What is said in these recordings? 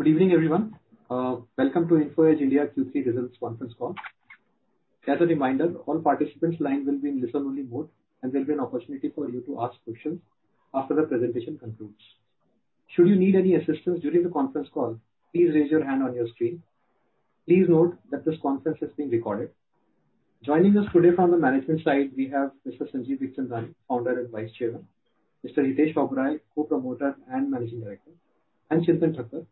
Good evening, everyone. Welcome to Info Edge India Q3 Results Conference Call. As a reminder, all participants' lines will be in listen-only mode, and there'll be an opportunity for you to ask questions after the presentation concludes. Should you need any assistance during the conference call, please raise your hand on your screen. Please note that this conference is being recorded. Joining us today from the management side, we have Mr. Sanjeev Bikhchandani, Founder and Vice Chairman. Mr. Hitesh Oberoi, co-promoter and Managing Director, and Chintan Thakkar,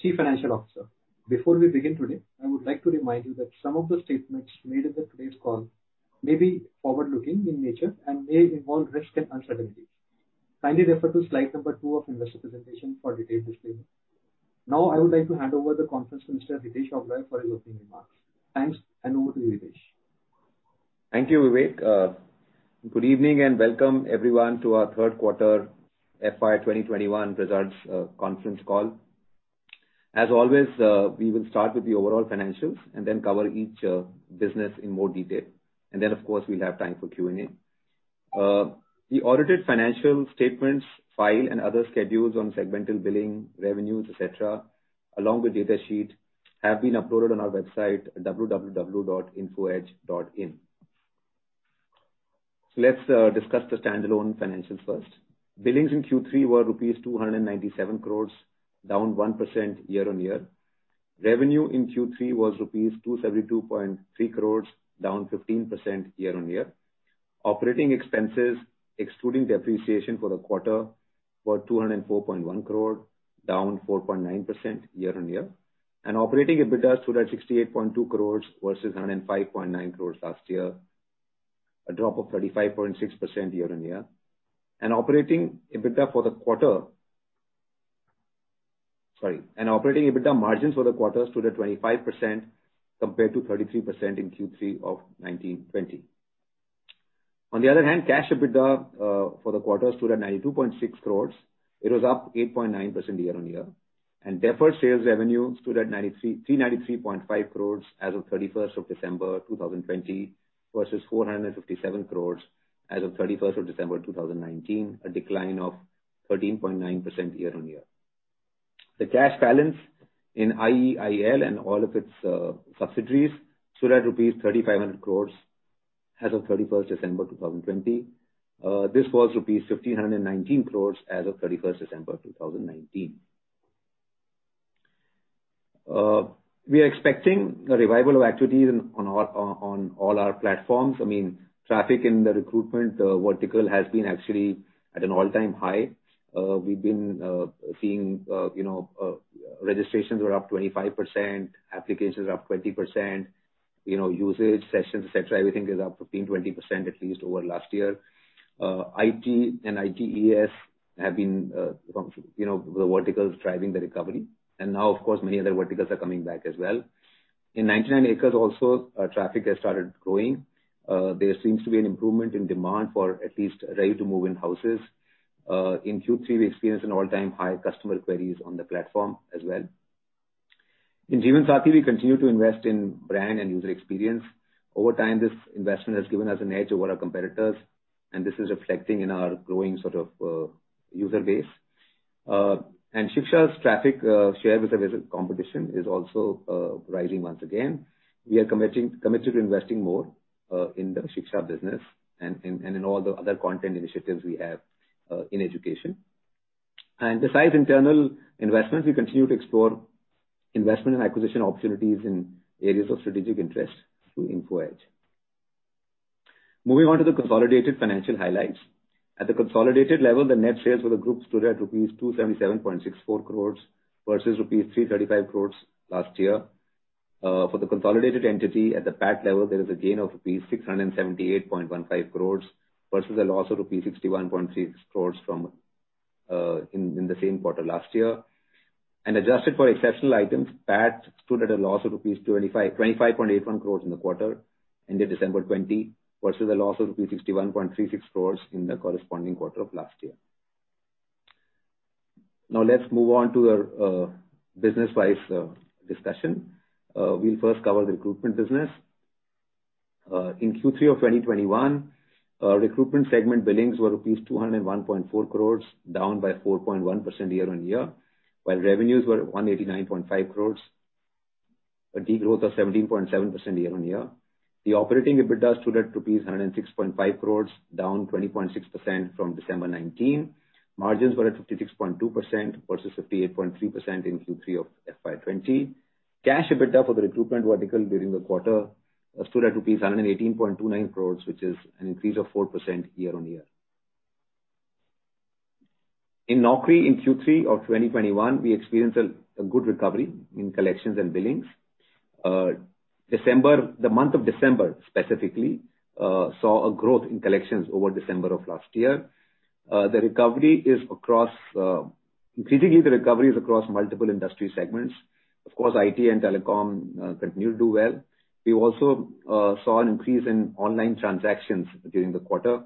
Chief Financial Officer. Before we begin today, I would like to remind you that some of the statements made in today's call may be forward-looking in nature and may involve risks and uncertainties. Kindly refer to slide number two of investor presentation for detailed disclaimer. I would like to hand over the conference to Mr. Hitesh Oberoi for his opening remarks. Thanks, and over to you, Hitesh. Thank you, Vivek. Good evening, and welcome everyone to our third quarter FY 2021 results conference call. As always, we will start with the overall financials and then cover each business in more detail. Of course, we'll have time for Q&A. The audited financial statements, file, and other schedules on segmental billing, revenues, et cetera, along with data sheet, have been uploaded on our website at www.infoedge.in. Let's discuss the standalone financials first. Billings in Q3 were rupees 297 crores, down 1% year-on-year. Revenue in Q3 was rupees 272.3 crores, down 15% year-on-year. Operating expenses, excluding depreciation for the quarter, were 204.1 crore, down 4.9% year-on-year. Operating EBITDA stood at 68.2 crores versus 105.9 crores last year, a drop of 35.6% year-on-year. Operating EBITDA margins for the quarter stood at 25% compared to 33% in Q3 of 2019/2020. On the other hand, cash EBITDA for the quarter stood at 92.6 crores. It was up 8.9% year-on-year. Deferred sales revenue stood at 393.5 crores as of 31st of December 2020 versus 457 crores as of 31st of December 2019, a decline of 13.9% year-on-year. The cash balance in IEIL and all of its subsidiaries stood at rupees 3,500 crores as of 31st December 2020. This was rupees 1,519 crores as of 31st December 2019. We are expecting a revival of activities on all our platforms. Traffic in the recruitment vertical has been actually at an all-time high. We've been seeing registrations were up 25%, applications are up 20%. Usage, sessions, et cetera, everything is up 15%, 20% at least over last year. IT and ITES have been the verticals driving the recovery. Now, of course, many other verticals are coming back as well. In 99acres also, traffic has started growing. There seems to be an improvement in demand for at least ready-to-move-in houses. In Q3, we experienced an all-time high customer queries on the platform as well. In Jeevansathi, we continue to invest in brand and user experience. Over time, this investment has given us an edge over our competitors, and this is reflecting in our growing user base. Shiksha's traffic share with the competition is also rising once again. We are committed to investing more in the Shiksha business and in all the other content initiatives we have in education. Besides internal investments, we continue to explore investment and acquisition opportunities in areas of strategic interest to Info Edge. Moving on to the consolidated financial highlights. At the consolidated level, the net sales for the group stood at rupees 277.64 crores versus rupees 335 crores last year. For the consolidated entity at the PAT level, there is a gain of rupees 678.15 crores versus a loss of rupees 61.36 crores in the same quarter last year. Adjusted for exceptional items, PAT stood at a loss of 25.81 crores in the quarter ended December 20 versus a loss of rupees 61.36 crores in the corresponding quarter of last year. Let's move on to our business-wise discussion. We'll first cover the recruitment business. In Q3 of 2021, recruitment segment billings were rupees 201.4 crores, down by 4.1% year-on-year. While revenues were 189.5 crores, a degrowth of 17.7% year-on-year. The operating EBITDA stood at rupees 106.5 crores, down 20.6% from December 2019. Margins were at 56.2% versus 58.3% in Q3 of FY 2020. Cash EBITDA for the recruitment vertical during the quarter stood at rupees 118.29 crores which is an increase of 4% year-on-year. In Naukri in Q3 of 2021, we experienced a good recovery in collections and billings. The month of December specifically, saw a growth in collections over December of last year. Increasingly, the recovery is across multiple industry segments. Of course, IT and telecom continue to do well. We also saw an increase in online transactions during the quarter.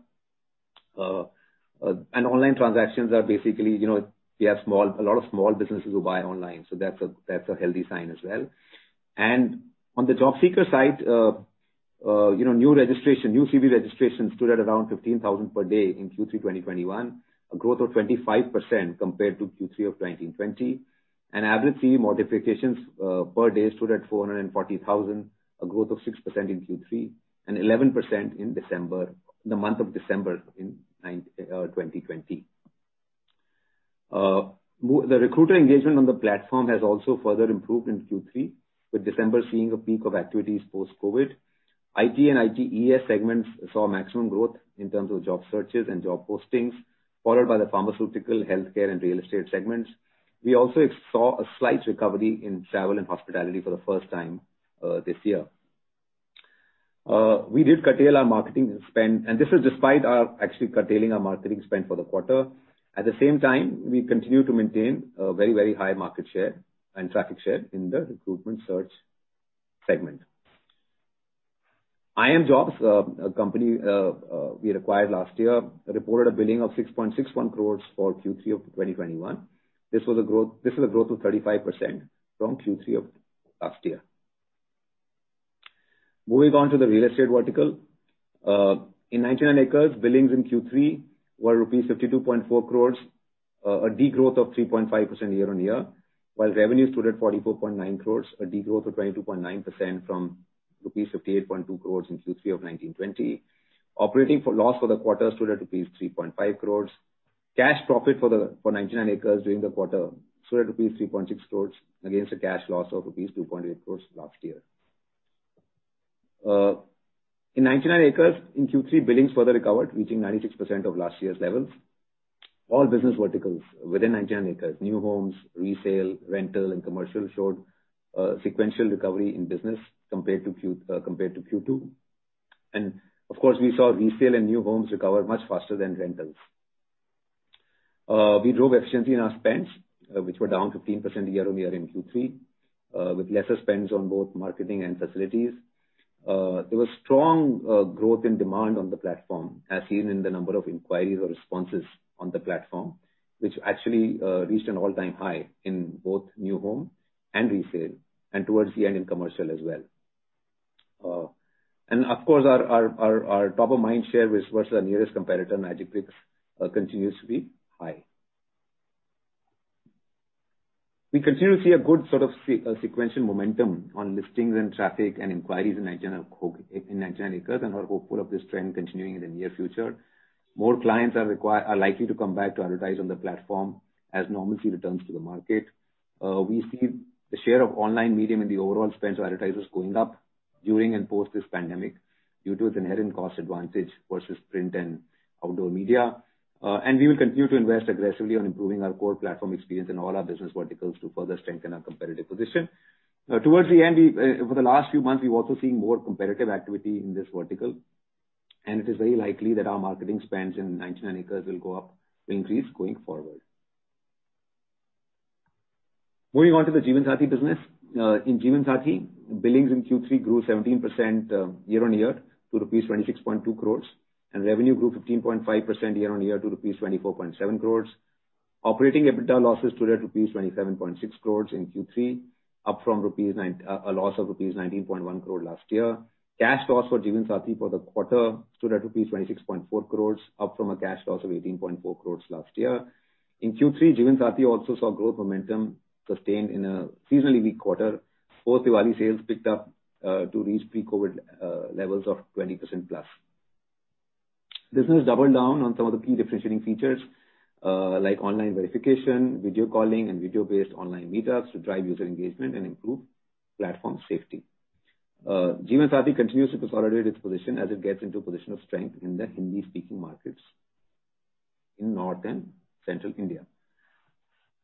Online transactions are basically, we have a lot of small businesses who buy online, so that's a healthy sign as well. On the job seeker side, New CV registrations stood at around 15,000 per day in Q3 2021, a growth of 25% compared to Q3 of 2020. Average CV modifications per day stood at 440,000, a growth of 6% in Q3, and 11% in the month of December in 2020. The recruiter engagement on the platform has also further improved in Q3, with December seeing a peak of activities post-COVID. IT and ITES segments saw maximum growth in terms of job searches and job postings, followed by the pharmaceutical, healthcare, and real estate segments. We also saw a slight recovery in travel and hospitality for the first time this year. We did curtail our marketing spend, and this is despite actually curtailing our marketing spend for the quarter. At the same time, we continue to maintain a very high market share and traffic share in the recruitment search segment. iimjobs, a company we acquired last year, reported a billing of 6.61 crores for Q3 of 2021. This is a growth of 35% from Q3 of last year. Moving on to the real estate vertical. In 99acres, billings in Q3 were rupees 52.4 crores, a degrowth of 3.5% year-on-year, while revenue stood at 44.9 crores, a degrowth of 22.9% from rupees 58.2 crores in Q3 of 2019/2020. Operating loss for the quarter stood at rupees 3.5 crores. Cash profit for 99acres during the quarter stood at rupees 3.6 crores against a cash loss of rupees 2.8 crores last year. In 99acres, in Q3, billings further recovered, reaching 96% of last year's levels. All business verticals within 99acres, new homes, resale, rental, and commercial, showed sequential recovery in business compared to Q2. Of course, we saw resale and new homes recover much faster than rentals. We drove efficiency in our spends, which were down 15% year-on-year in Q3, with lesser spends on both marketing and facilities. There was strong growth in demand on the platform, as seen in the number of inquiries or responses on the platform, which actually reached an all-time high in both new home and resale, and towards the end, in commercial as well. Of course, our top-of-mind share versus our nearest competitor, Magicbricks, continues to be high. We continue to see a good sequential momentum on listings and traffic and inquiries in 99acres and are hopeful of this trend continuing in the near future. More clients are likely to come back to advertise on the platform as normalcy returns to the market. We see the share of online medium in the overall spends of advertisers going up during and post this pandemic due to its inherent cost advantage versus print and outdoor media. We will continue to invest aggressively on improving our core platform experience in all our business verticals to further strengthen our competitive position. Towards the end, over the last few months, we've also seen more competitive activity in this vertical, and it is very likely that our marketing spends in 99acres will increase going forward. Moving on to the Jeevansathi business. In Jeevansathi, billings in Q3 grew 17% year-on-year to rupees 26.2 crore, and revenue grew 15.5% year-on-year to rupees 24.7 crore. Operating EBITDA losses stood at rupees 27.6 crores in Q3, up from a loss of rupees 19.1 crore last year. Cash loss for Jeevansathi for the quarter stood at rupees 26.4 crores, up from a cash loss of 18.4 crores last year. In Q3, Jeevansathi also saw growth momentum sustained in a seasonally weak quarter. Post-Diwali sales picked up to reach pre-COVID levels of 20%+. Business doubled down on some of the key differentiating features, like online verification, video calling, and video-based online meetups to drive user engagement and improve platform safety. Jeevansathi continues to consolidate its position as it gets into a position of strength in the Hindi-speaking markets in north and central India.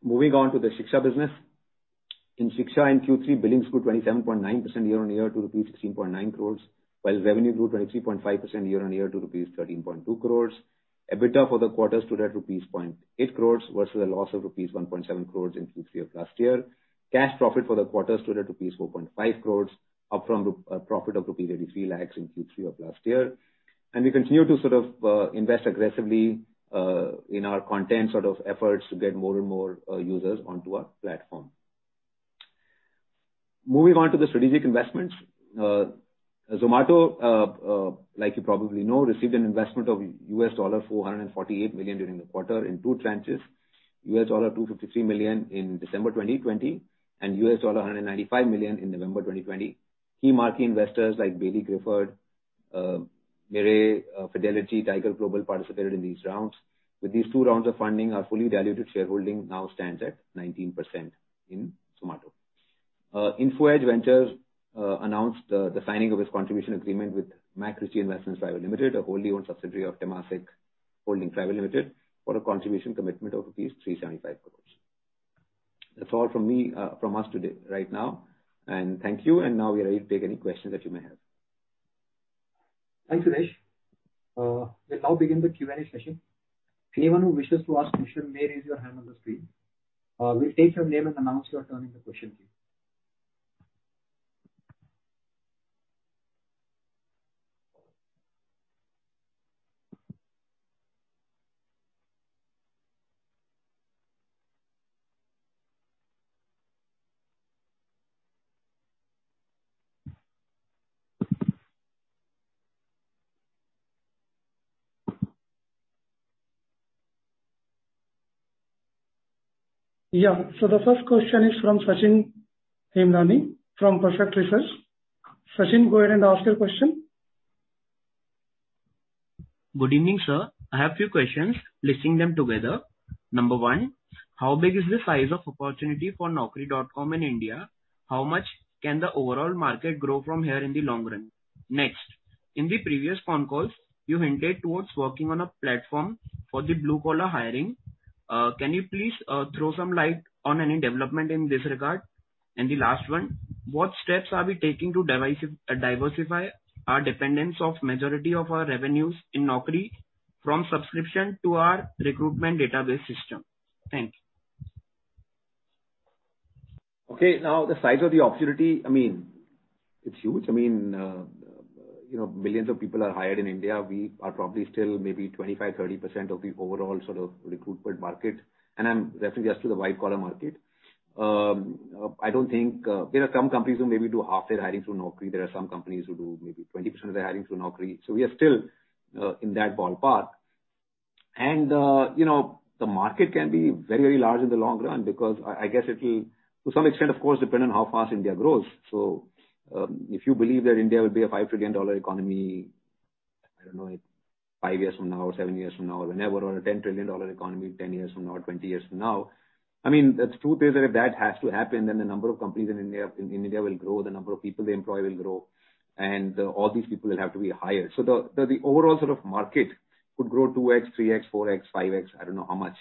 Moving on to the Shiksha business. In Shiksha, in Q3, billings grew 27.9% year-on-year to rupees 16.9 crores, while revenue grew 23.5% year-on-year to rupees 13.2 crores. EBITDA for the quarter stood at rupees 0.8 crores versus a loss of rupees 1.7 crores in Q3 of last year. Cash profit for the quarter stood at rupees 4.5 crores, up from a profit of rupees 33 lakhs in Q3 of last year. We continue to invest aggressively in our content efforts to get more and more users onto our platform. Moving on to the strategic investments. Zomato, like you probably know, received an investment of $448 million during the quarter in two tranches, $253 million in December 2020 and $195 million in November 2020. Key market investors like Baillie Gifford, Mirae, Fidelity, Tiger Global participated in these rounds. With these two rounds of funding, our fully diluted shareholding now stands at 19% in Zomato. Info Edge Ventures announced the signing of its contribution agreement with MacRitchie Investments Private Limited, a wholly owned subsidiary of Temasek Holdings Private Limited, for a contribution commitment of rupees 375 crore. That's all from us today, right now. Thank you, now we're ready to take any questions that you may have. Thanks, Hitesh. We'll now begin the Q&A session. Anyone who wishes to ask a question may raise your hand on the screen. We'll state your name and announce your turn in the question queue. Yeah. The first question is from Sachin Hemnani from Perfect Research. Sachin, go ahead and ask your question. Good evening, sir. I have a few questions. Listing them together. Number one, how big is the size of opportunity for Naukri.com in India? How much can the overall market grow from here in the long run? In the previous phone calls, you hinted towards working on a platform for the blue-collar hiring. Can you please throw some light on any development in this regard? The last one, what steps are we taking to diversify our dependence of majority of our revenues in Naukri from subscription to our recruitment database system? Thank you. Okay. Now, the size of the opportunity, it's huge. Millions of people are hired in India. We are probably still maybe 25, 30% of the overall sort of recruitment market, and I'm referring just to the white collar market. There are some companies who maybe do half their hiring through Naukri. There are some companies who do maybe 20% of their hiring through Naukri. We are still in that ballpark. The market can be very large in the long run because I guess it'll, to some extent, of course, depend on how fast India grows. If you believe that India will be an INR 5 trillion economy, I don't know, five years from now or seven years from now, or whenever, or an INR 10 trillion economy, 10 years from now or 20 years from now. The truth is that if that has to happen, then the number of companies in India will grow, the number of people they employ will grow, and all these people will have to be hired. The overall sort of market could grow 2x, 3x, 4x, 5x, I don't know how much,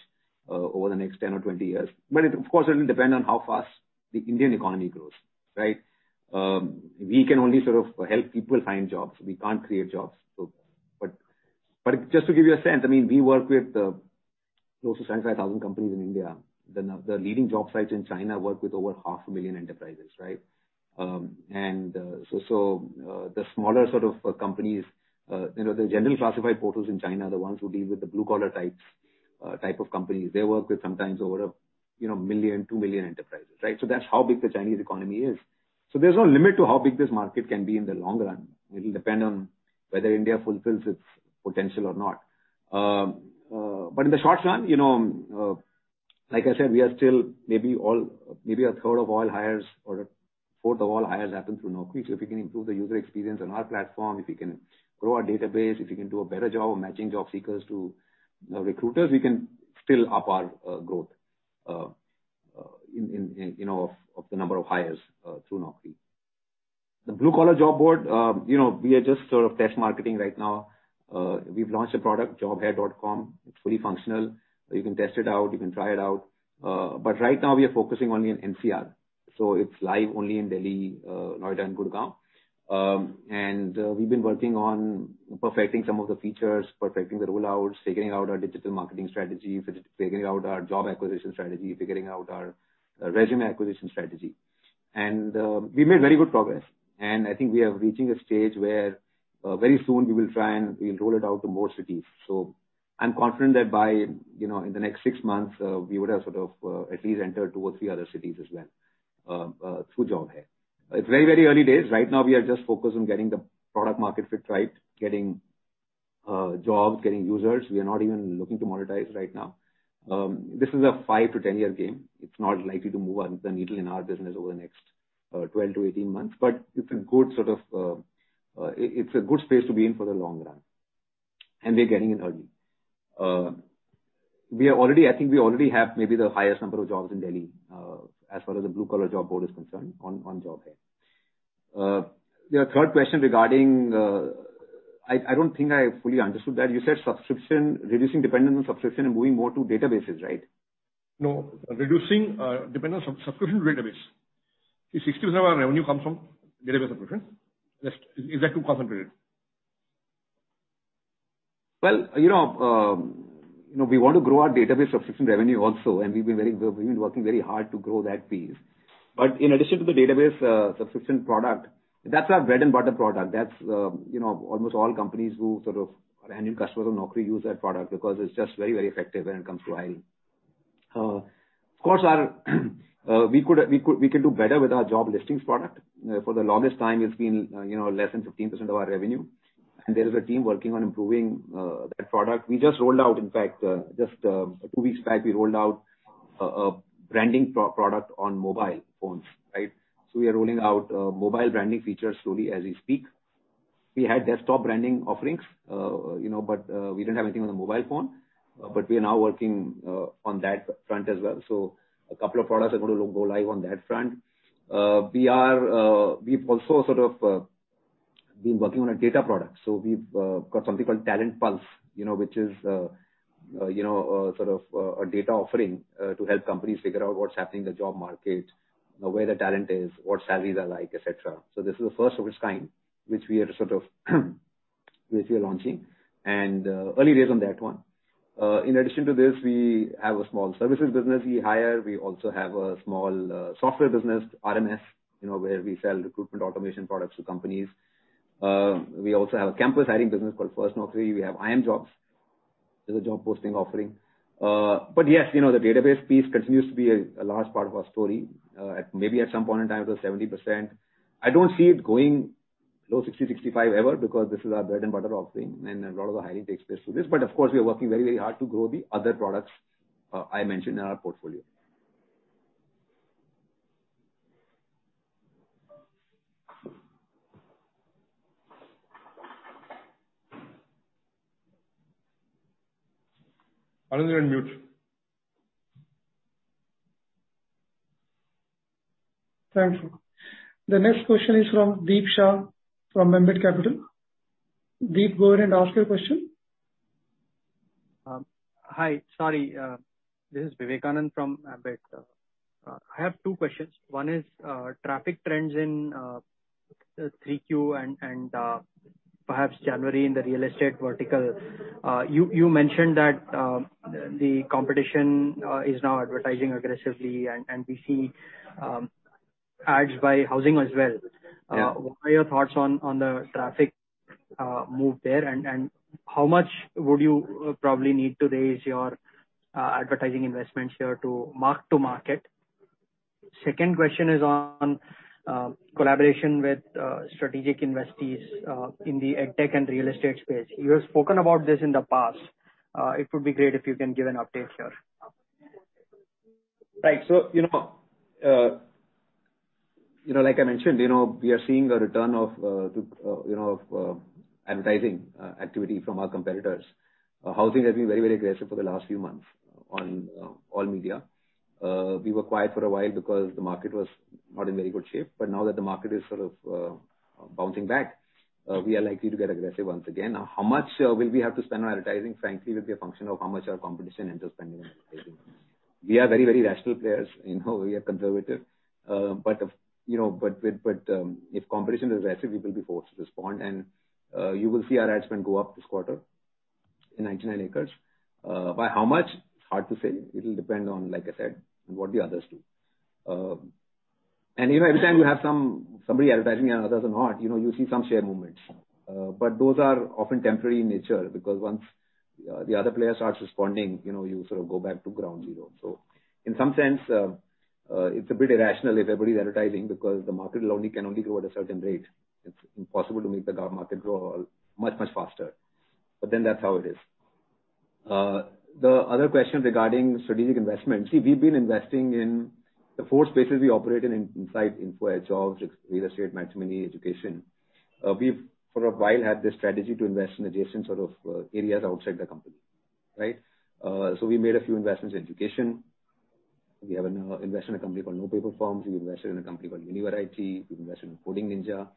over the next 10 or 20 years. But it, of course, will depend on how fast the Indian economy grows, right? We can only sort of help people find jobs. We can't create jobs. But just to give you a sense, we work with close to 75,000 companies in India. The leading job sites in China work with over 500,000 enterprises, right? The smaller sort of companies, the general classified portals in China, the ones who deal with the blue collar type of companies they work with sometimes over 1 million, 2 million enterprises, right. That's how big the Chinese economy is. There's no limit to how big this market can be in the long run. It'll depend on whether India fulfills its potential or not. In the short run, like I said, we are still maybe 1/3 of all hires or a fourth of all hires happen through Naukri. If we can improve the user experience on our platform, if we can grow our database, if we can do a better job of matching job seekers to recruiters, we can still up our growth of the number of hires through Naukri. The blue collar job board, we are just sort of test marketing right now. We've launched a product, jobhai.com. It's fully functional. You can test it out, you can try it out. Right now we are focusing only on NCR. It's live only in Delhi, Noida, and Gurgaon. We've been working on perfecting some of the features, perfecting the roll-outs, figuring out our digital marketing strategy, figuring out our job acquisition strategy, figuring out our resume acquisition strategy. We made very good progress. I think we are reaching a stage where very soon we will try and we'll roll it out to more cities. I'm confident that in the next six months, we would have sort of at least entered two or three other cities as well through JobHai. It's very early days. Right now we are just focused on getting the product market fit right, getting jobs, getting users. We are not even looking to monetize right now. This is a five to 10 year game. It's not likely to move the needle in our business over the next 12 to 18 months, but it's a good space to be in for the long run. We're getting in early. I think we already have maybe the highest number of jobs in Delhi as far as the blue collar job board is concerned on JobHai. Your third question regarding I don't think I fully understood that. You said subscription, reducing dependence on subscription and moving more to databases, right? No. Reducing dependence on subscription database. See, 60% of our revenue comes from database subscription. Is that too concentrated? Well, we want to grow our database subscription revenue also, and we've been working very hard to grow that piece. In addition to the database subscription product, that's our bread and butter product. That's almost all companies who sort of, our annual customers on Naukri use that product because it's just very effective when it comes to hiring. Of course, we could do better with our job listings product. For the longest time, it's been less than 15% of our revenue. There is a team working on improving that product. We just rolled out, in fact, just two weeks back, we rolled out a branding product on mobile phones, right? We are rolling out mobile branding features slowly as we speak. We had desktop branding offerings but we didn't have anything on the mobile phone. We are now working on that front as well. A couple of products are going to go live on that front. We've also sort of been working on a data product. We've got something called Talent Pulse, which is sort of a data offering to help companies figure out what's happening in the job market, where the talent is, what salaries are like, et cetera. This is the first of its kind which we are launching and early days on that one. In addition to this, we have a small services business, WeHire. We also have a small software business, RMS, where we sell recruitment automation products to companies. We also have a campus hiring business called FirstNaukri. We have iimjobs. There's a job posting offering. Yes, the database piece continues to be a large part of our story. Maybe at some point in time, it was 70%. I don't see it going below 60, 65 ever because this is our bread-and-butter offering and a lot of the hiring takes place through this. Of course, we are working very hard to grow the other products I mentioned in our portfolio. Anand, you're on mute. Thank you. The next question is from Deep Shah from Ambit Capital. Deep, go ahead and ask your question. Hi. Sorry. This is Vivekanand from Ambit Capital. I have two questions. One is traffic trends in 3Q and perhaps January in the real estate vertical. You mentioned that the competition is now advertising aggressively and we see ads by Housing as well. Yeah. What are your thoughts on the traffic move there, and how much would you probably need to raise your advertising investments here to mark-to-market? Second question is on collaboration with strategic investees in the ed tech and real estate space. You have spoken about this in the past. It would be great if you can give an update here. Right. Like I mentioned, we are seeing a return of advertising activity from our competitors. Housing has been very aggressive for the last few months on all media. We were quiet for a while because the market was not in very good shape. Now that the market is sort of bouncing back, we are likely to get aggressive once again. How much will we have to spend on advertising, frankly, will be a function of how much our competition ends up spending on advertising. We are very rational players. We are conservative. If competition is aggressive, we will be forced to respond and you will see our ad spend go up this quarter in 99acres. By how much? It's hard to say. It'll depend on, like I said, on what the others do. Every time you have somebody advertising and others are not, you see some share movements. Those are often temporary in nature because once the other player starts responding, you sort of go back to ground zero. In some sense, it's a bit irrational if everybody's advertising because the market can only grow at a certain rate. It's impossible to make the market grow much faster. That's how it is. The other question regarding strategic investments, see, we've been investing in the four spaces we operate in inside Info Edge of real estate, matrimony, education. We've for a while had this strategy to invest in adjacent sort of areas outside the company. Right? We made a few investments in education. We have invested in a company called NoPaperForms. We invested in a company called Univariety. We've invested in Coding Ninjas.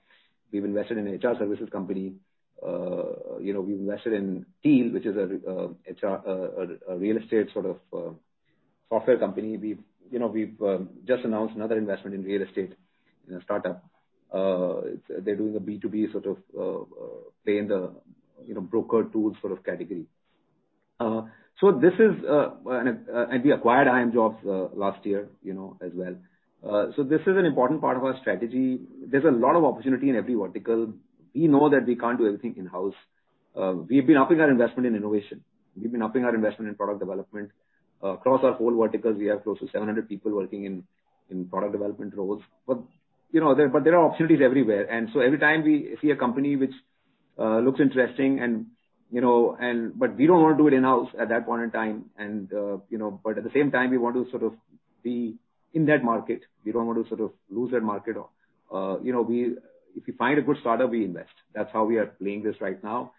We've invested in a HR services company. We've invested in Teal, which is a real estate sort of software company. We've just announced another investment in real estate in a startup. They're doing a B2B sort of play in the broker tools sort of category. We acquired iimjobs last year, as well. This is an important part of our strategy. There's a lot of opportunity in every vertical. We know that we can't do everything in-house. We've been upping our investment in innovation. We've been upping our investment in product development. Across our whole verticals, we have close to 700 people working in product development roles. There are opportunities everywhere. Every time we see a company which looks interesting, but we don't want to do it in-house at that point in time, but at the same time, we want to sort of be in that market. We don't want to sort of lose that market. If we find a good startup, we invest. That's how we are playing this right now.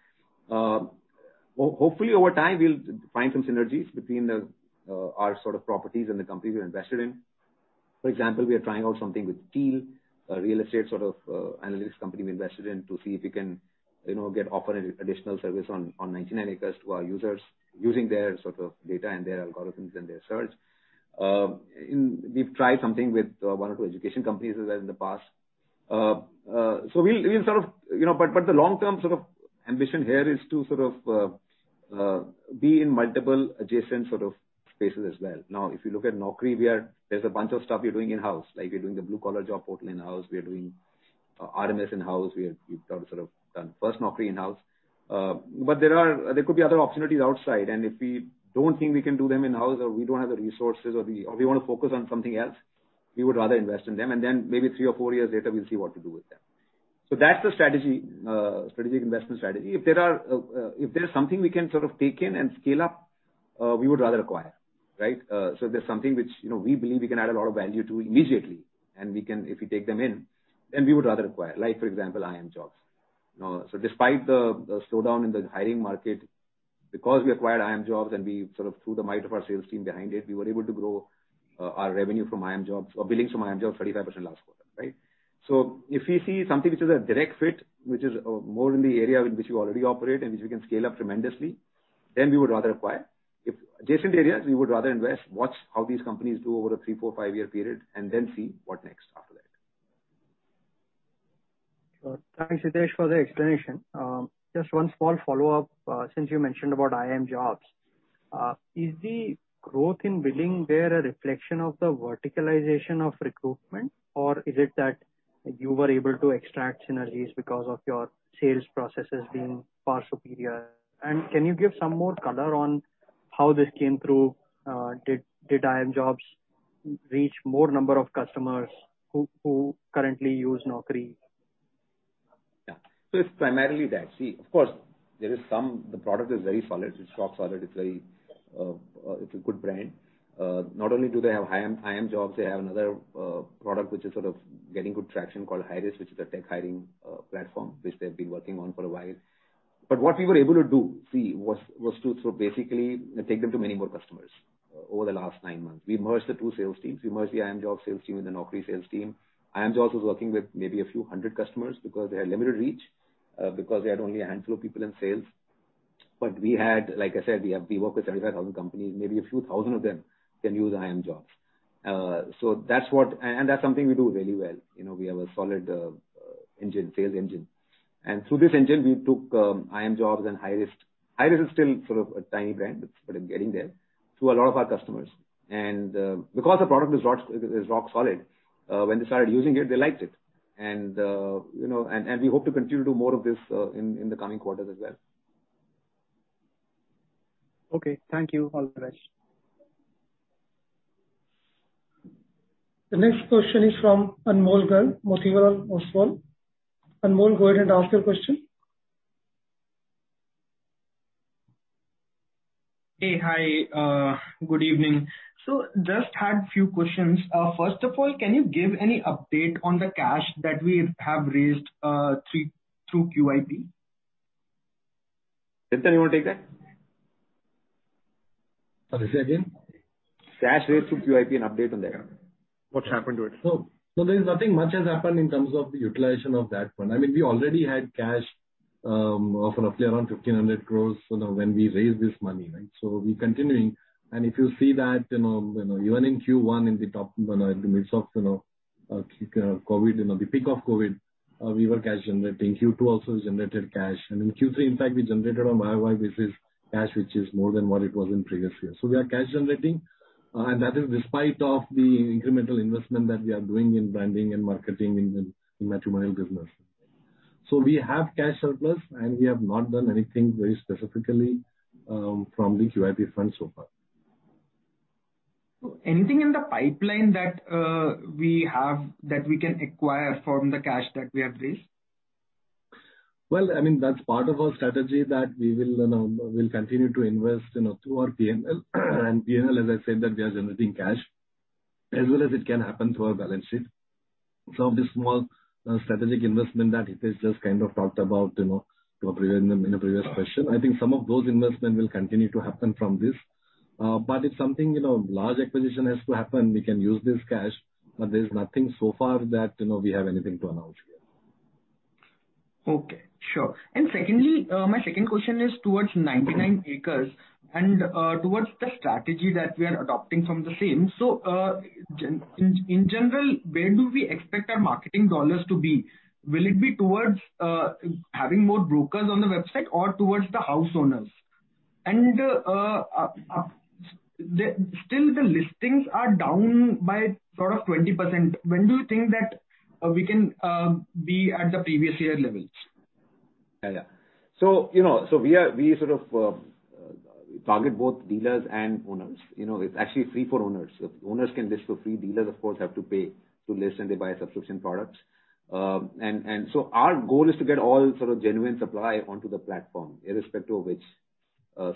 Hopefully, over time, we'll find some synergies between our sort of properties and the companies we invested in. For example, we are trying out something with Teal, a real estate sort of analytics company we invested in to see if we can get offered an additional service on 99acres to our users using their sort of data and their algorithms in their search. We've tried something with one or two education companies as well in the past. The long-term sort of ambition here is to sort of be in multiple adjacent sort of spaces as well. Now, if you look at Naukri, there's a bunch of stuff we are doing in-house. Like we're doing the blue collar job portal in-house. We are doing Artemis in-house. We've sort of done FirstNaukri in-house. There could be other opportunities outside, and if we don't think we can do them in-house or we don't have the resources or we want to focus on something else, we would rather invest in them and then maybe three or four years later, we'll see what to do with them. That's the strategic investment strategy. If there's something we can sort of take in and scale up, we would rather acquire. Right? If there's something which we believe we can add a lot of value to immediately, and if we take them in, then we would rather acquire. Like for example, iimjobs. Despite the slowdown in the hiring market, because we acquired iimjobs and we sort of threw the might of our sales team behind it, we were able to grow our revenue from iimjobs or billings from iimjobs 35% last quarter, right? If we see something which is a direct fit, which is more in the area in which we already operate and which we can scale up tremendously, then we would rather acquire. If adjacent areas, we would rather invest, watch how these companies do over a three, four, five-year period, and then see what next after that. Sure. Thanks, Hitesh, for the explanation. Just one small follow-up, since you mentioned about iimjobs, is the growth in billing there a reflection of the verticalization of recruitment, or is it that you were able to extract synergies because of your sales processes being far superior? Can you give some more color on how this came through? Did iimjobs reach more number of customers who currently use Naukri? Yeah. It's primarily that. See, of course, the product is very solid. It's rock solid. It's a good brand. Not only do they have iimjobs, they have another product which is sort of getting good traction called hirist, which is a tech hiring platform, which they've been working on for a while. What we were able to do, see, was to basically take them to many more customers over the last nine months. We merged the two sales teams. We merged the iimjobs sales team with the Naukri sales team. iimjobs was working with maybe a few hundred customers because they had limited reach, because they had only a handful of people in sales. We had, like I said, we work with 75,000 companies. Maybe a few thousand of them can use iimjobs. That's something we do really well. We have a solid sales engine. Through this engine, we took iimjobs and hirist. Hirist is still sort of a tiny brand, but it's getting there, to a lot of our customers. Because the product is rock solid, when they started using it, they liked it. We hope to continue to do more of this in the coming quarters as well. Okay. Thank you, Hitesh. The next question is from Anmol Garg, Motilal Oswal. Anmol, go ahead and ask your question. Hey, hi. Good evening. Just had few questions. First of all, can you give any update on the cash that we have raised through QIP? Chintan, you want to take that? Sorry, say again? Cash raised through QIP, an update on that. What's happened to it? There's nothing much has happened in terms of the utilization of that one. We already had cash of roughly around 1,500 crore when we raised this money, right? We're continuing. If you see that even in Q1 in the midst of the peak of COVID, we were cash generating. Q2 also generated cash. In Q3, in fact, we generated on YoY basis cash, which is more than what it was in previous years. We are cash generating, and that is despite of the incremental investment that we are doing in branding and marketing in the matrimonial business. We have cash surplus, and we have not done anything very specifically from the QIP fund so far. Anything in the pipeline that we can acquire from the cash that we have raised? Well, that's part of our strategy that we'll continue to invest through our P&L. P&L, as I said, that we are generating cash as well as it can happen through our balance sheet. Some of the small strategic investment that Hitesh just kind of talked about in a previous question. I think some of those investment will continue to happen from this. If something large acquisition has to happen, we can use this cash, but there's nothing so far that we have anything to announce here. Secondly, my second question is towards 99acres and towards the strategy that we are adopting from the same. In general, where do we expect our marketing dollars to be? Will it be towards having more brokers on the website or towards the house owners? Still the listings are down by sort of 20%. When do you think that we can be at the previous year levels? Yeah. We sort of target both dealers and owners. It's actually free for owners. Owners can list for free. Dealers, of course, have to pay to list, and they buy a subscription product. Our goal is to get all sort of genuine supply onto the platform, irrespective of which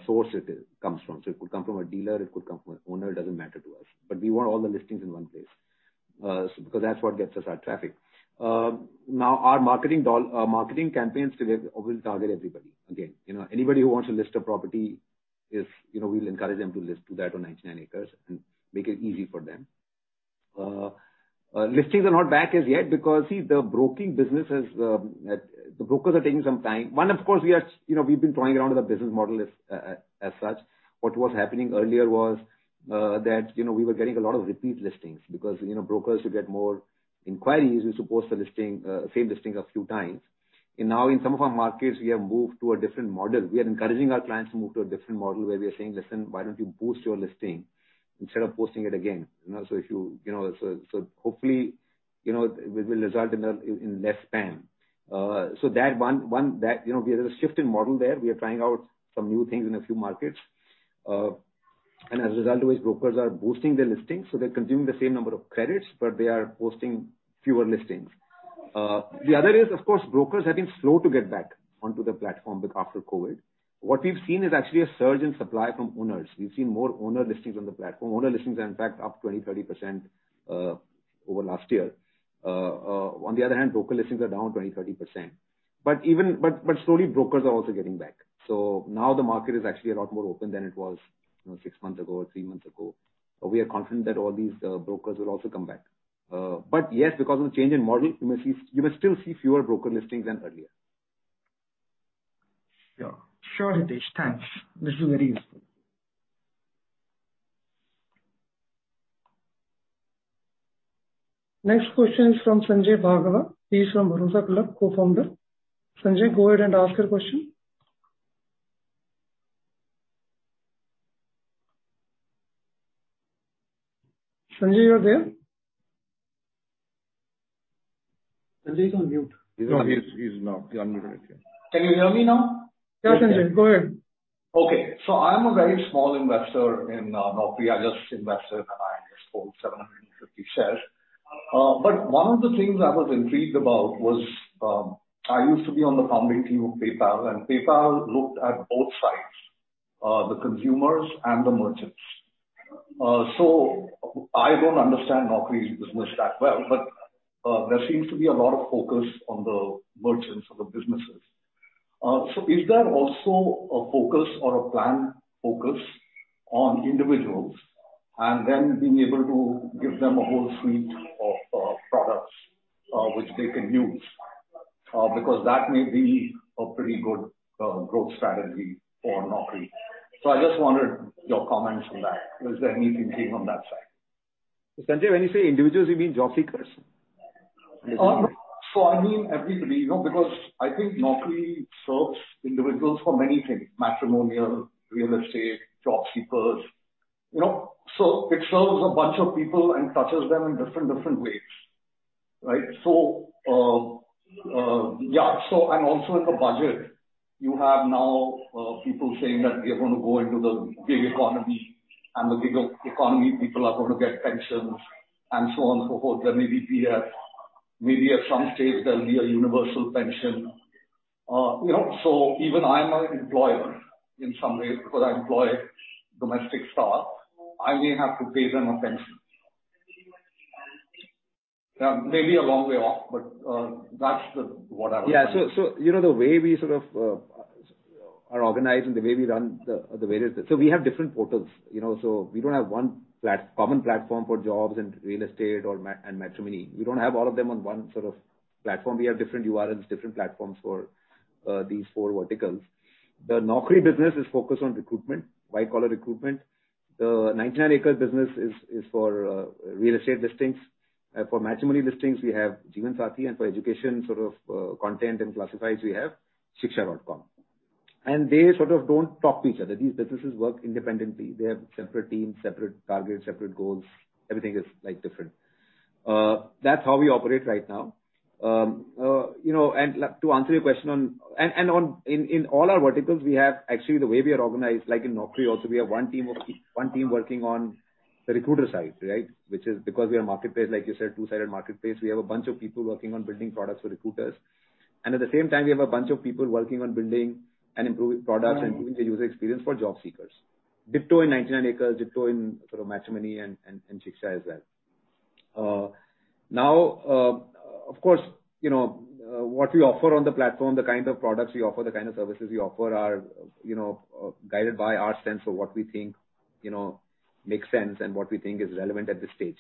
source it comes from. It could come from a dealer, it could come from an owner, it doesn't matter to us. We want all the listings in one place. That's what gets us our traffic. Now our marketing campaigns will target everybody again. Anybody who wants to list a property, we'll encourage them to list to that on 99acres and make it easy for them. Listings are not back as yet because, see, the broking business. The brokers are taking some time. One, of course, we've been toying around with the business model as such. What was happening earlier was that we were getting a lot of repeat listings because brokers to get more inquiries, used to post the same listing a few times. Now in some of our markets, we have moved to a different model. We are encouraging our clients to move to a different model where we are saying, "Listen, why don't you boost your listing instead of posting it again?" Hopefully, it will result in less spam. There's a shift in model there. We are trying out some new things in a few markets. As a result of which brokers are boosting their listings, so they're consuming the same number of credits, but they are posting fewer listings. The other is, of course, brokers have been slow to get back onto the platform after COVID. What we've seen is actually a surge in supply from owners. We've seen more owner listings on the platform. Owner listings are in fact up 20%, 30% over last year. Broker listings are down 20%, 30%. Slowly brokers are also getting back. Now the market is actually a lot more open than it was six months ago or three months ago. We are confident that all these brokers will also come back. Yes, because of the change in model, you may still see fewer broker listings than earlier. Sure. Hitesh, thanks. This was very useful. Next question is from Sanjay Bhargava. He is from Bharosa Club, Co-founder. Sanjay, go ahead and ask your question. Sanjay, you are there? Sanjay is on mute. No, he's not. He unmuted. Can you hear me now? Yeah, Sanjay. Go ahead. Okay. I am a very small investor in Naukri. I just invested and I hold 750 shares. One of the things I was intrigued about was, I used to be on the founding team of PayPal, and PayPal looked at both sides, the consumers and the merchants. I don't understand Naukri's business that well, but there seems to be a lot of focus on the merchants or the businesses. Is there also a focus or a planned focus on individuals and then being able to give them a whole suite of products which they can use? That may be a pretty good growth strategy for Naukri. I just wondered your comments on that. Is there anything keen on that side? Sanjay, when you say individuals, you mean job seekers? I mean everybody because I think Naukri serves individuals for many things, matrimonial, real estate, job seekers. It serves a bunch of people and touches them in different ways. Right? And also in the budget you have now people saying that we are going to go into the gig economy and the gig economy people are going to get pensions and so on so forth. There may be PF, maybe at some stage there will be a universal pension. Even I'm an employer in some ways because I employ domestic staff, I may have to pay them a pension. Maybe a long way off. Yeah. The way we sort of are organized and the way we run the various bits, we have different portals. We don't have one common platform for jobs and real estate and matrimony. We don't have all of them on one sort of platform. We have different URLs, different platforms for these four verticals. The Naukri business is focused on recruitment, white collar recruitment. The 99acres business is for real estate listings. For matrimony listings we have Jeevansathi. For education sort of content and classifieds we have Shiksha.com. They sort of don't talk to each other. These businesses work independently. They have separate teams, separate targets, separate goals. Everything is different. That's how we operate right now. To answer your question. In all our verticals we have, actually the way we are organized, like in Naukri also we have one team working on the recruiter side, right? Which is because we are a marketplace, like you said, two-sided marketplace. We have a bunch of people working on building products for recruiters and at the same time we have a bunch of people working on building and improving products and improving the user experience for job seekers. Ditto in 99acres, ditto in matrimony and Shiksha as well. Of course, what we offer on the platform, the kind of products we offer, the kind of services we offer are guided by our sense of what we think makes sense and what we think is relevant at this stage.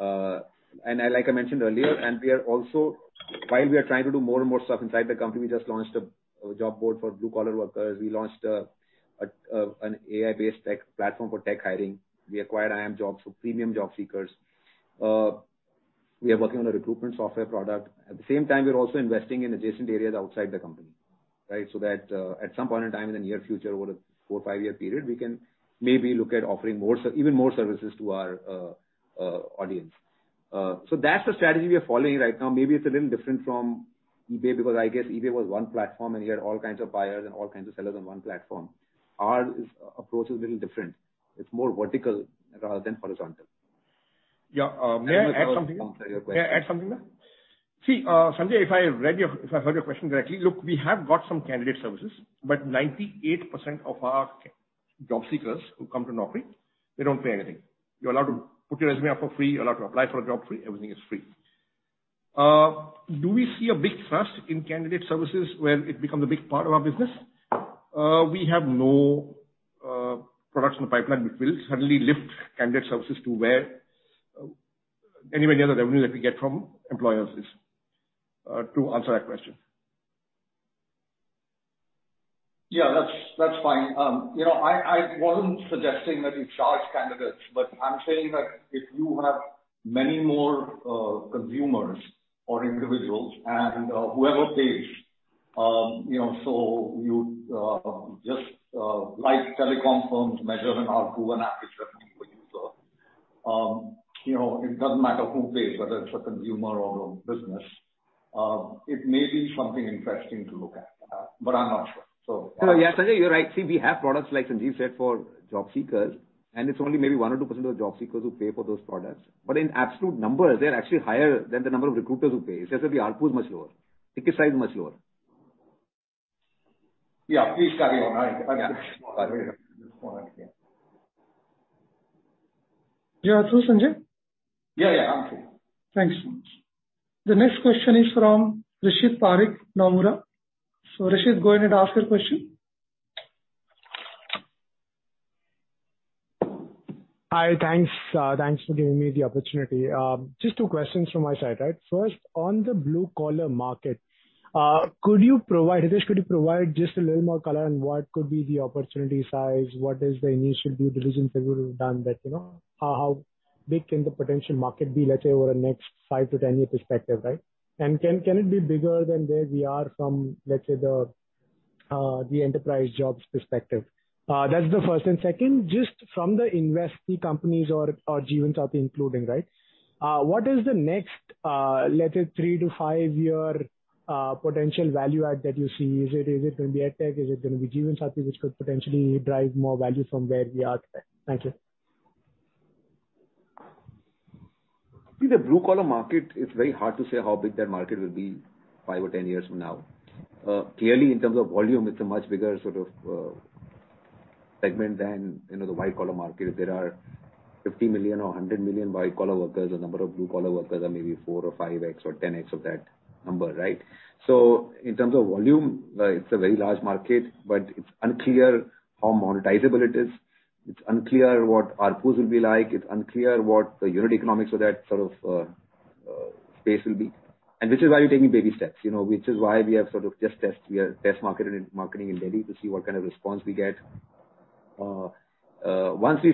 Like I mentioned earlier, while we are trying to do more and more stuff inside the company, we just launched a job board for blue collar workers. We launched an AI-based tech platform for tech hiring. We acquired iimjobs for premium job seekers. We are working on a recruitment software product. At the same time, we're also investing in adjacent areas outside the company. Right? That at some point in time in the near future, over a four or five-year period, we can maybe look at offering even more services to our audience. That's the strategy we are following right now. Maybe it's a little different from eBay because I guess eBay was one platform and you had all kinds of buyers and all kinds of sellers on one platform. Our approach is a little different. It's more vertical rather than horizontal. Yeah. May I add something there? Sanjay, if I heard your question correctly, look, we have got some candidate services but 98% of our job seekers who come to Naukri, they don't pay anything. You're allowed to put your resume up for free, you're allowed to apply for a job free. Everything is free. Do we see a big thrust in candidate services where it becomes a big part of our business? We have no products in the pipeline which will suddenly lift candidate services to where anywhere near the revenue that we get from employers is, to answer that question. Yeah. That's fine. I wasn't suggesting that you charge candidates but I'm saying that if you have many more consumers or individuals and whoever pays. You just like telecom firms measure an ARPU, an average revenue per user. It doesn't matter who pays, whether it's a consumer or a business. It may be something interesting to look at, but I'm not sure. No. Yeah, Sanjay, you're right. We have products like Sanjeev said for job seekers and it's only maybe one or 2% of job seekers who pay for those products but in absolute numbers they're actually higher than the number of recruiters who pay. It's just that the ARPU is much lower. Ticket size is much lower. Yeah. Please carry on. I'm just. You are through, Sanjay? Yeah. I'm through. Thanks. The next question is from Rishit Parikh, Nomura. Rishit go ahead and ask your question. Hi, thanks for giving me the opportunity. Just two questions from my side. First, on the blue-collar market, Hitesh, could you provide just a little more color on what could be the opportunity size? What is the initial due diligence that you would have done that you know? How big can the potential market be, let's say, over the next five to 10 year perspective, right? Can it be bigger than where we are from, let's say, the enterprise jobs perspective? That's the first. Second, just from the investee companies or Jeevansathi including, right? What is the next, let's say, three to five year potential value add that you see? Is it going to be EdTech? Is it going to be Jeevansathi, which could potentially drive more value from where we are today? Thank you. See, the blue-collar market, it's very hard to say how big that market will be five or 10 years from now. Clearly, in terms of volume, it's a much bigger segment than the white-collar market. If there are 50 million or 100 million white-collar workers, the number of blue-collar workers are maybe four or 5x or 10x of that number, right? In terms of volume, it's a very large market, but it's unclear how monetizable it is. It's unclear what ARPUs will be like. It's unclear what the unit economics for that space will be. Which is why we're taking baby steps, which is why we are test marketing in Delhi to see what kind of response we get. Once we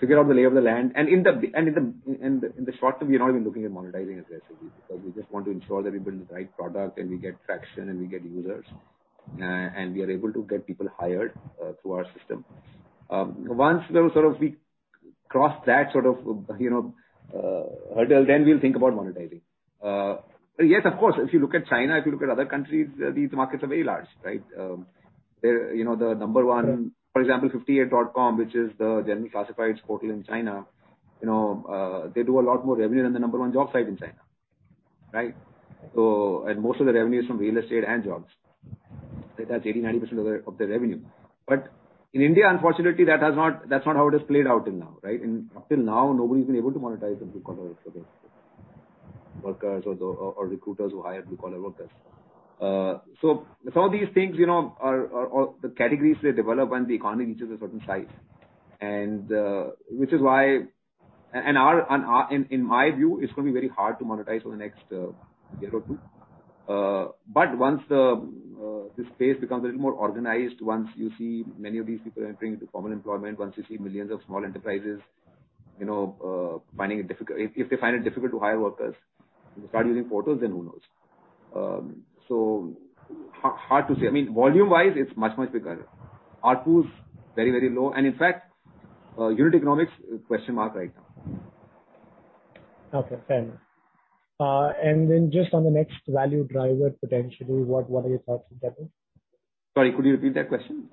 figure out the lay of the land, in the short term, we are not even looking at monetizing aggressively, because we just want to ensure that we build the right product and we get traction and we get users, and we are able to get people hirist through our system. Once we cross that hurdle, then we'll think about monetizing. Yes, of course, if you look at China, if you look at other countries, these markets are very large, right? For example, 58.com, which is the general classifieds portal in China, they do a lot more revenue than the number one job site in China, right? Most of the revenue is from real estate and jobs. That's 80%, 90% of their revenue. In India, unfortunately, that's not how it has played out till now, right? Up till now, nobody's been able to monetize the blue-collar workers or recruiters who hire blue-collar workers. These things are the categories they develop when the economy reaches a certain size. In my view, it's going to be very hard to monetize over the next year or two. Once this space becomes a little more organized, once you see many of these people entering into formal employment, once you see millions of small enterprises, if they find it difficult to hire workers and they start using portals, then who knows? Hard to say. Volume-wise, it's much, much bigger. ARPU's very, very low, and in fact unit economics is a question mark right now. Okay, fair enough. Then just on the next value driver, potentially, what are your thoughts on that one? Sorry, could you repeat that question?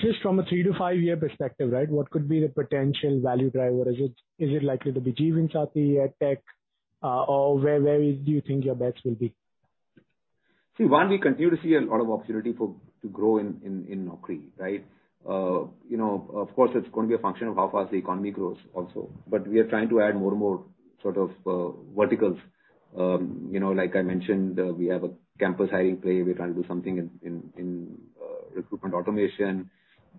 Just from a three to five-year perspective, right? What could be the potential value driver? Is it likely to be Jeevansathi, EdTech or where do you think your bets will be? See, one, we continue to see a lot of opportunity to grow in Naukri, right? Of course, it's going to be a function of how fast the economy grows also. We are trying to add more and more verticals. Like I mentioned, we have a campus hiring play. We're trying to do something in recruitment automation.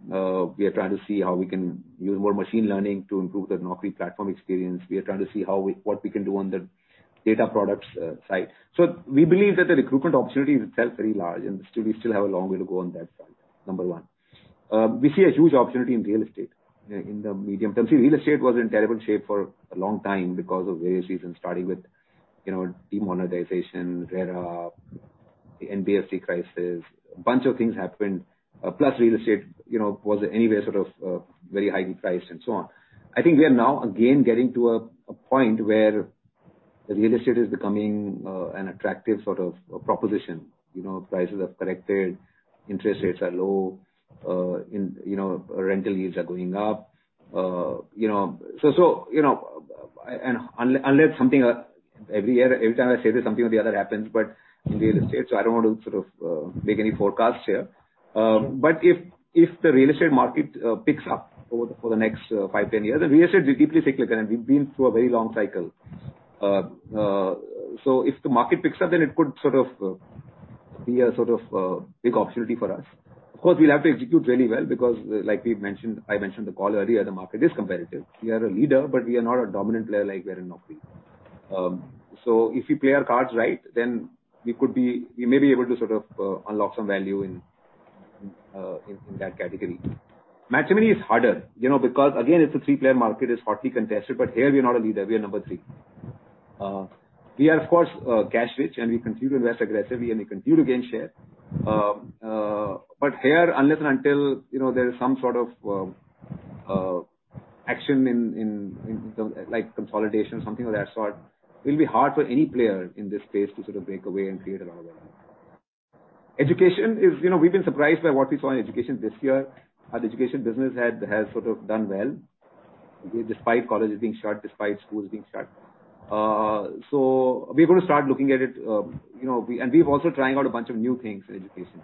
We are trying to see how we can use more machine learning to improve the Naukri platform experience. We are trying to see what we can do on the data products side. We believe that the recruitment opportunity itself is very large and we still have a long way to go on that front, number one. We see a huge opportunity in real estate in the medium term. See, real estate was in terrible shape for a long time because of various reasons, starting with demonetization, RERA, the NBFC crisis. A bunch of things happened. Real estate was anyway very highly priced and so on. I think we are now again getting to a point where real estate is becoming an attractive proposition. Prices have corrected, interest rates are low, rental yields are going up. Every time I say this, something or the other happens in real estate, I don't want to make any forecasts here. If the real estate market picks up over the next five, 10 years, real estate is deeply cyclical, we've been through a very long cycle. If the market picks up, it could be a big opportunity for us. Of course, we'll have to execute really well because like I mentioned on the call earlier, the market is competitive. We are a leader, we are not a dominant player like we are in Naukri. If we play our cards right, we may be able to unlock some value in that category. Matrimony is harder because again, it's a three-player market, it's hotly contested, but here we are not a leader. We are number three. We are, of course, cash-rich, and we continue to invest aggressively, and we continue to gain share. Here, unless and until there is some sort of action in consolidation, something of that sort, it will be hard for any player in this space to break away and create a lot of value. Education, we've been surprised by what we saw in education this year. Our education business has done well despite colleges being shut, despite schools being shut. We're going to start looking at it. We're also trying out a bunch of new things in education.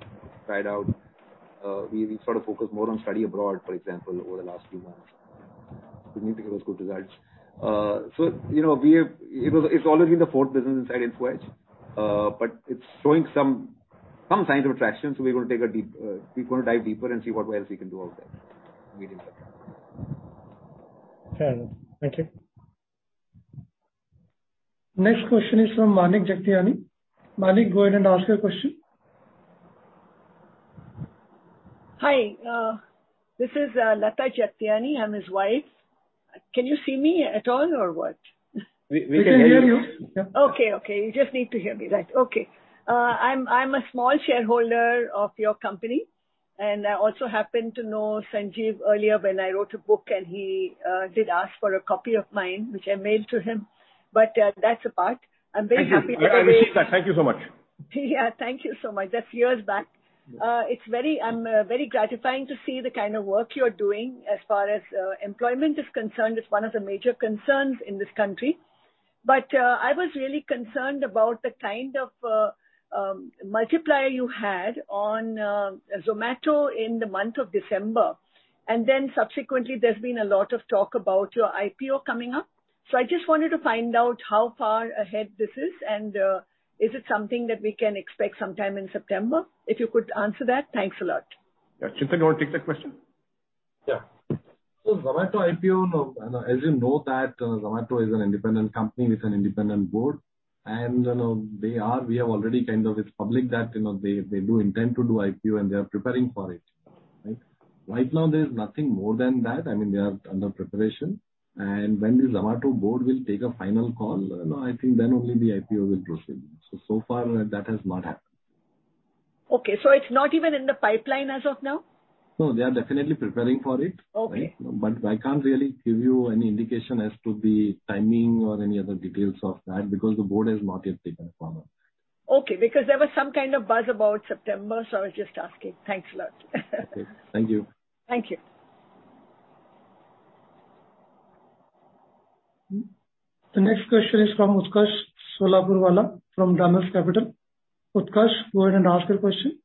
We focused more on study abroad, for example, over the last few months. We think it was good results. It's always been the fourth business inside Info Edge. It's showing Some signs of attraction. We're going to dive deeper and see what else we can do out there. Fair enough. Thank you. Next question is from Manik Jagtiani. Manik, go ahead and ask your question. Hi, this is Lata Jagtiani. I'm his wife. Can you see me at all or what? We can hear you. We can hear you. Yeah. Okay. You just need to hear me. Right. Okay. I'm a small shareholder of your company, and I also happen to know Sanjeev earlier when I wrote a book, and he did ask for a copy of mine, which I mailed to him. That's apart. I'm very happy. Thank you. Yeah, I received that. Thank you so much. Yeah, thank you so much. That's years back. I'm very gratifying to see the kind of work you're doing as far as employment is concerned. It's one of the major concerns in this country. I was really concerned about the kind of multiplier you had on Zomato in the month of December, and then subsequently, there's been a lot of talk about your IPO coming up. I just wanted to find out how far ahead this is, and is it something that we can expect sometime in September? If you could answer that. Thanks a lot. Yeah. Chintan, you want to take that question? Yeah. Zomato IPO, as you know that Zomato is an independent company with an independent board, and we have already kind of it's public that they do intend to do IPO and they are preparing for it. Right now there's nothing more than that. They are under preparation. When the Zomato board will take a final call, I think then only the IPO will proceed. So far that has not happened. Okay, it's not even in the pipeline as of now? No, they are definitely preparing for it. Okay. I can't really give you any indication as to the timing or any other details of that because the board has not yet taken a call. Okay, because there was some kind of buzz about September, so I was just asking. Thanks a lot. Okay. Thank you. Thank you. The next question is from Utkarsh Solapurwala from Damos Capital. Utkarsh, go ahead and ask your question.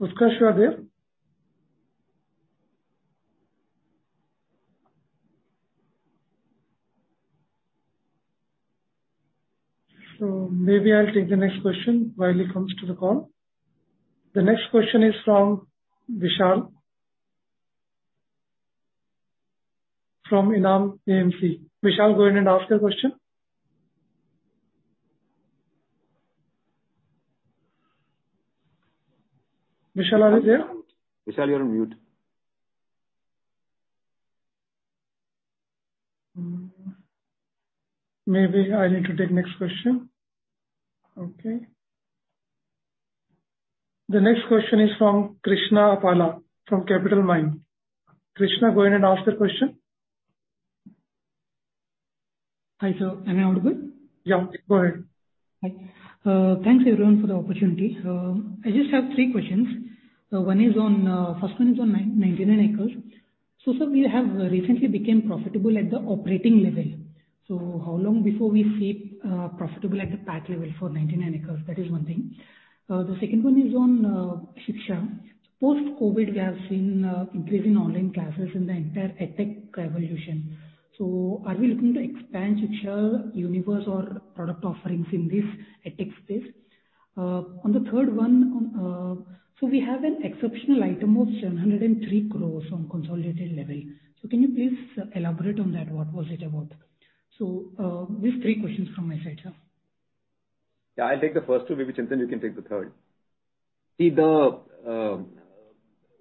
Utkarsh, you are there? Maybe I'll take the next question while he comes to the call. The next question is from Vishal from Enam AMC. Vishal, go ahead and ask your question. Vishal, are you there? Vishal, you're on mute. Maybe I need to take next question. Okay. The next question is from Krishna Appala from Capitalmind. Krishna, go ahead and ask your question. Hi, sir. Am I audible? Yeah, go ahead. Hi. Thanks, everyone, for the opportunity. I just have three questions. First one is on 99acres. Sir, we have recently became profitable at the operating level. How long before we see profitable at the PAT level for 99acres? That is one thing. The second one is on Shiksha. Post-COVID, we have seen increase in online classes in the entire EdTech revolution. Are we looking to expand Shiksha universe or product offerings in this EdTech space? On the third one, we have an exceptional item of 703 crore on consolidated level. Can you please elaborate on that, what was it about? These are three questions from my side, sir. Yeah, I'll take the first two. Maybe Chintan, you can take the third. The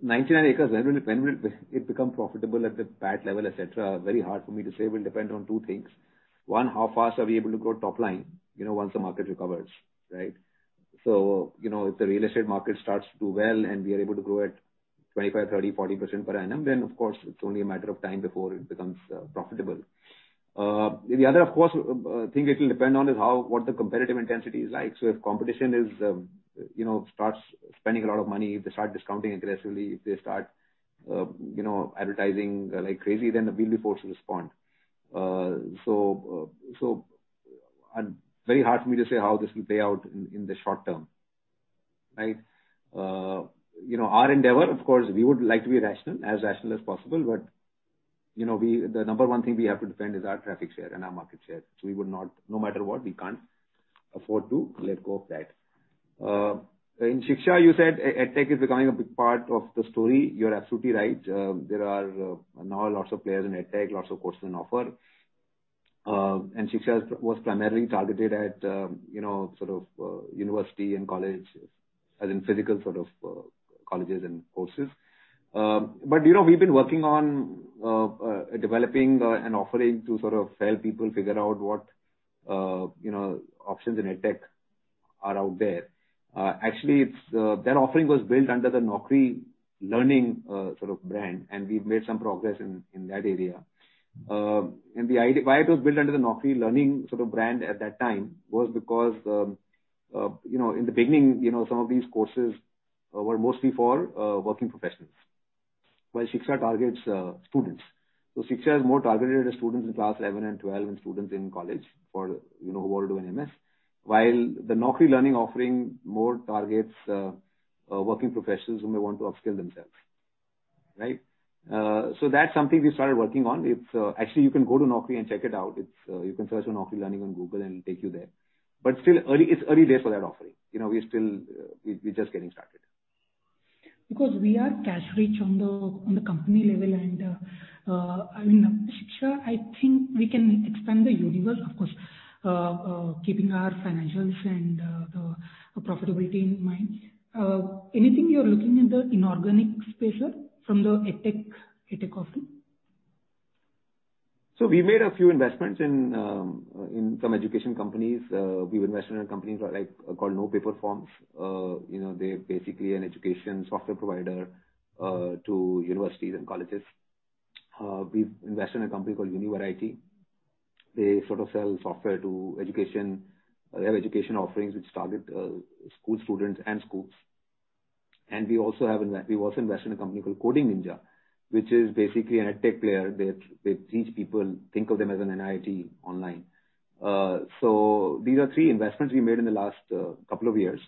99acres, when will it become profitable at the PAT level, et cetera? Very hard for me to say, will depend on two things. One, how fast are we able to grow top line once the market recovers, right? If the real estate market starts to do well and we are able to grow at 25%, 30%, 40% per annum, then of course it's only a matter of time before it becomes profitable. The other, of course, thing it will depend on is what the competitive intensity is like. If competition starts spending a lot of money, if they start discounting aggressively, if they start advertising like crazy, then we'll be forced to respond. Very hard for me to say how this will play out in the short term. Right. Our endeavor, of course, we would like to be rational, as rational as possible, but the number one thing we have to defend is our traffic share and our market share. No matter what, we can't afford to let go of that. In Shiksha, you said EdTech is becoming a big part of the story. You're absolutely right. There are now lots of players in EdTech, lots of courses on offer. Shiksha was primarily targeted at sort of university and college as in physical sort of colleges and courses. We've been working on developing an offering to sort of help people figure out what options in EdTech are out there. Actually, that offering was built under the Naukri Learning sort of brand, and we've made some progress in that area. Why it was built under the Naukri Learning sort of brand at that time was because, in the beginning, some of these courses were mostly for working professionals, while Shiksha targets students. Shiksha is more targeted at students in class 11 and 12 and students in college who want to do an MS. While the Naukri Learning offering more targets working professionals who may want to upskill themselves. That's something we started working on. Actually, you can go to Naukri and check it out. You can search for Naukri Learning on Google, and it'll take you there. Still, it's early days for that offering. We're just getting started. Because we are cash-rich on the company level and on Shiksha, I think we can expand the universe, of course, keeping our financials and the profitability in mind. Anything you're looking in the inorganic space, sir, from the edtech offering? We made a few investments in some education companies. We've invested in a company called NoPaperForms. They're basically an education software provider to universities and colleges. We've invested in a company called Univariety. They sell software to education. They have education offerings which target school students and schools. We've also invested in a company called Coding Ninjas, which is basically an edtech player. They teach people, think of them as an IIT online. These are three investments we made in the last couple of years.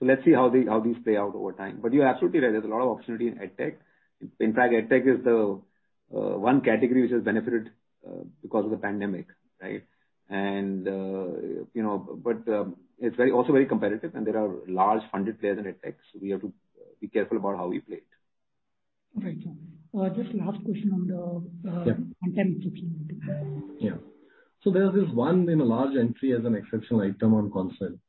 Let's see how these play out over time. You're absolutely right, there's a lot of opportunity in edtech. In fact, edtech is the one category which has benefited because of the pandemic, right? It's also very competitive, and there are large funded players in edtech, so we have to be careful about how we play it. Right. Just last question on your content piece. Yeah. There's this one large entry as an exceptional item on Consolidate.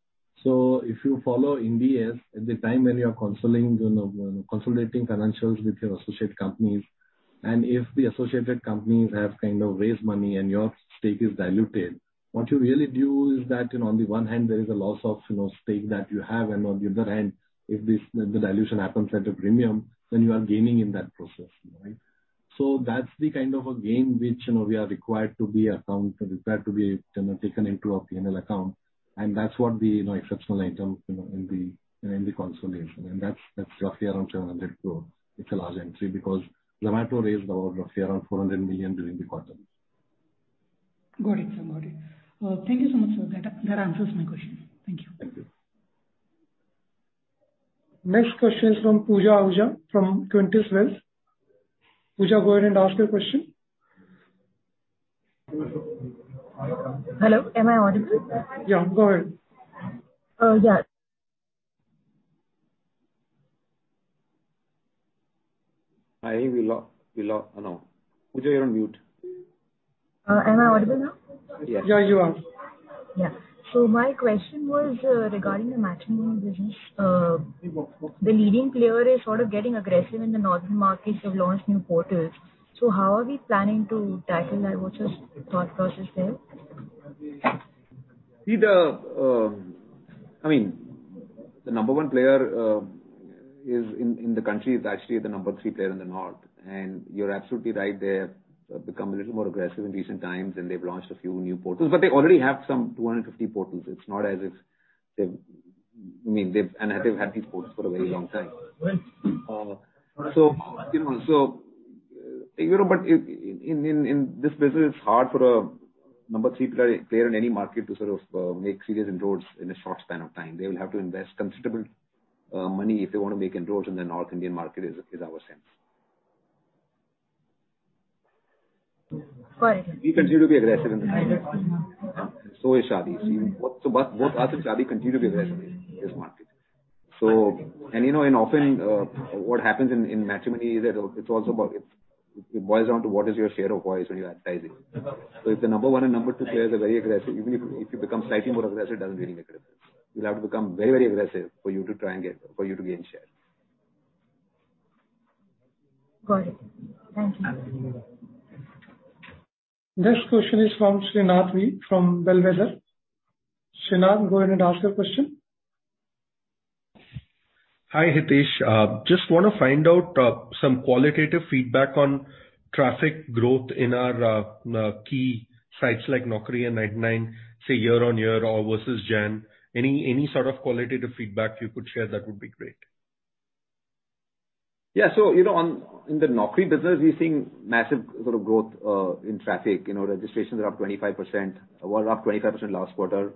If you follow India at the time when you are consolidating financials with your associate companies, and if the associated companies have raised money and your stake is diluted, what you really do is that, on the one hand, there is a loss of stake that you have. On the other hand, if the dilution happens at a premium, then you are gaining in that process, right? That's the kind of a game which we are required to be account and required to be taken into our P&L account, and that's what the exceptional item in the consolidation. That's roughly around 700 crores. It's a large entry because Zomato raised about roughly around $400 million during the quarter. Got it, sir. Got it. Thank you so much, sir. That answers my question. Thank you. Thank you. Next question is from Pooja Ahuja from Qontis Wealth. Pooja, go ahead and ask your question. Hello, am I audible? Yeah, go ahead. Yeah. Hi. Pooja, you're on mute. Am I audible now? Yes. Yeah, you are. My question was regarding the matrimonial business. The leading player is sort of getting aggressive in the northern markets. They've launched new portals. How are we planning to tackle that? What's your thought process there? The number one player in the country is actually the number three player in the north. You're absolutely right, they have become a little more aggressive in recent times, and they've launched a few new portals, but they already have some 250 portals. They've had these portals for a very long time. In this business, it's hard for a number three player in any market to sort of make serious inroads in a short span of time. They will have to invest considerable money if they want to make inroads in the North Indian market is our sense. Got it. We continue to be aggressive in the market and so is Shaadi.com. Both us and Shaadi.com continue to be aggressive in this market. Often what happens in matrimony is that it boils down to what is your share of voice when you're advertising. If the number one and number two players are very aggressive, even if you become slightly more aggressive, it doesn't really make a difference. You'll have to become very aggressive for you to gain share. Got it. Thank you. Next question is from Srinath V from Bellwether. Srinath, go ahead and ask your question. Hi, Hitesh. Just want to find out some qualitative feedback on traffic growth in our key sites like Naukri and 99acres, say, year-over-year or versus January. Any sort of qualitative feedback you could share that would be great. Yeah. In the Naukri business, we're seeing massive growth in traffic. Registrations are up 25%, were up 25% last quarter.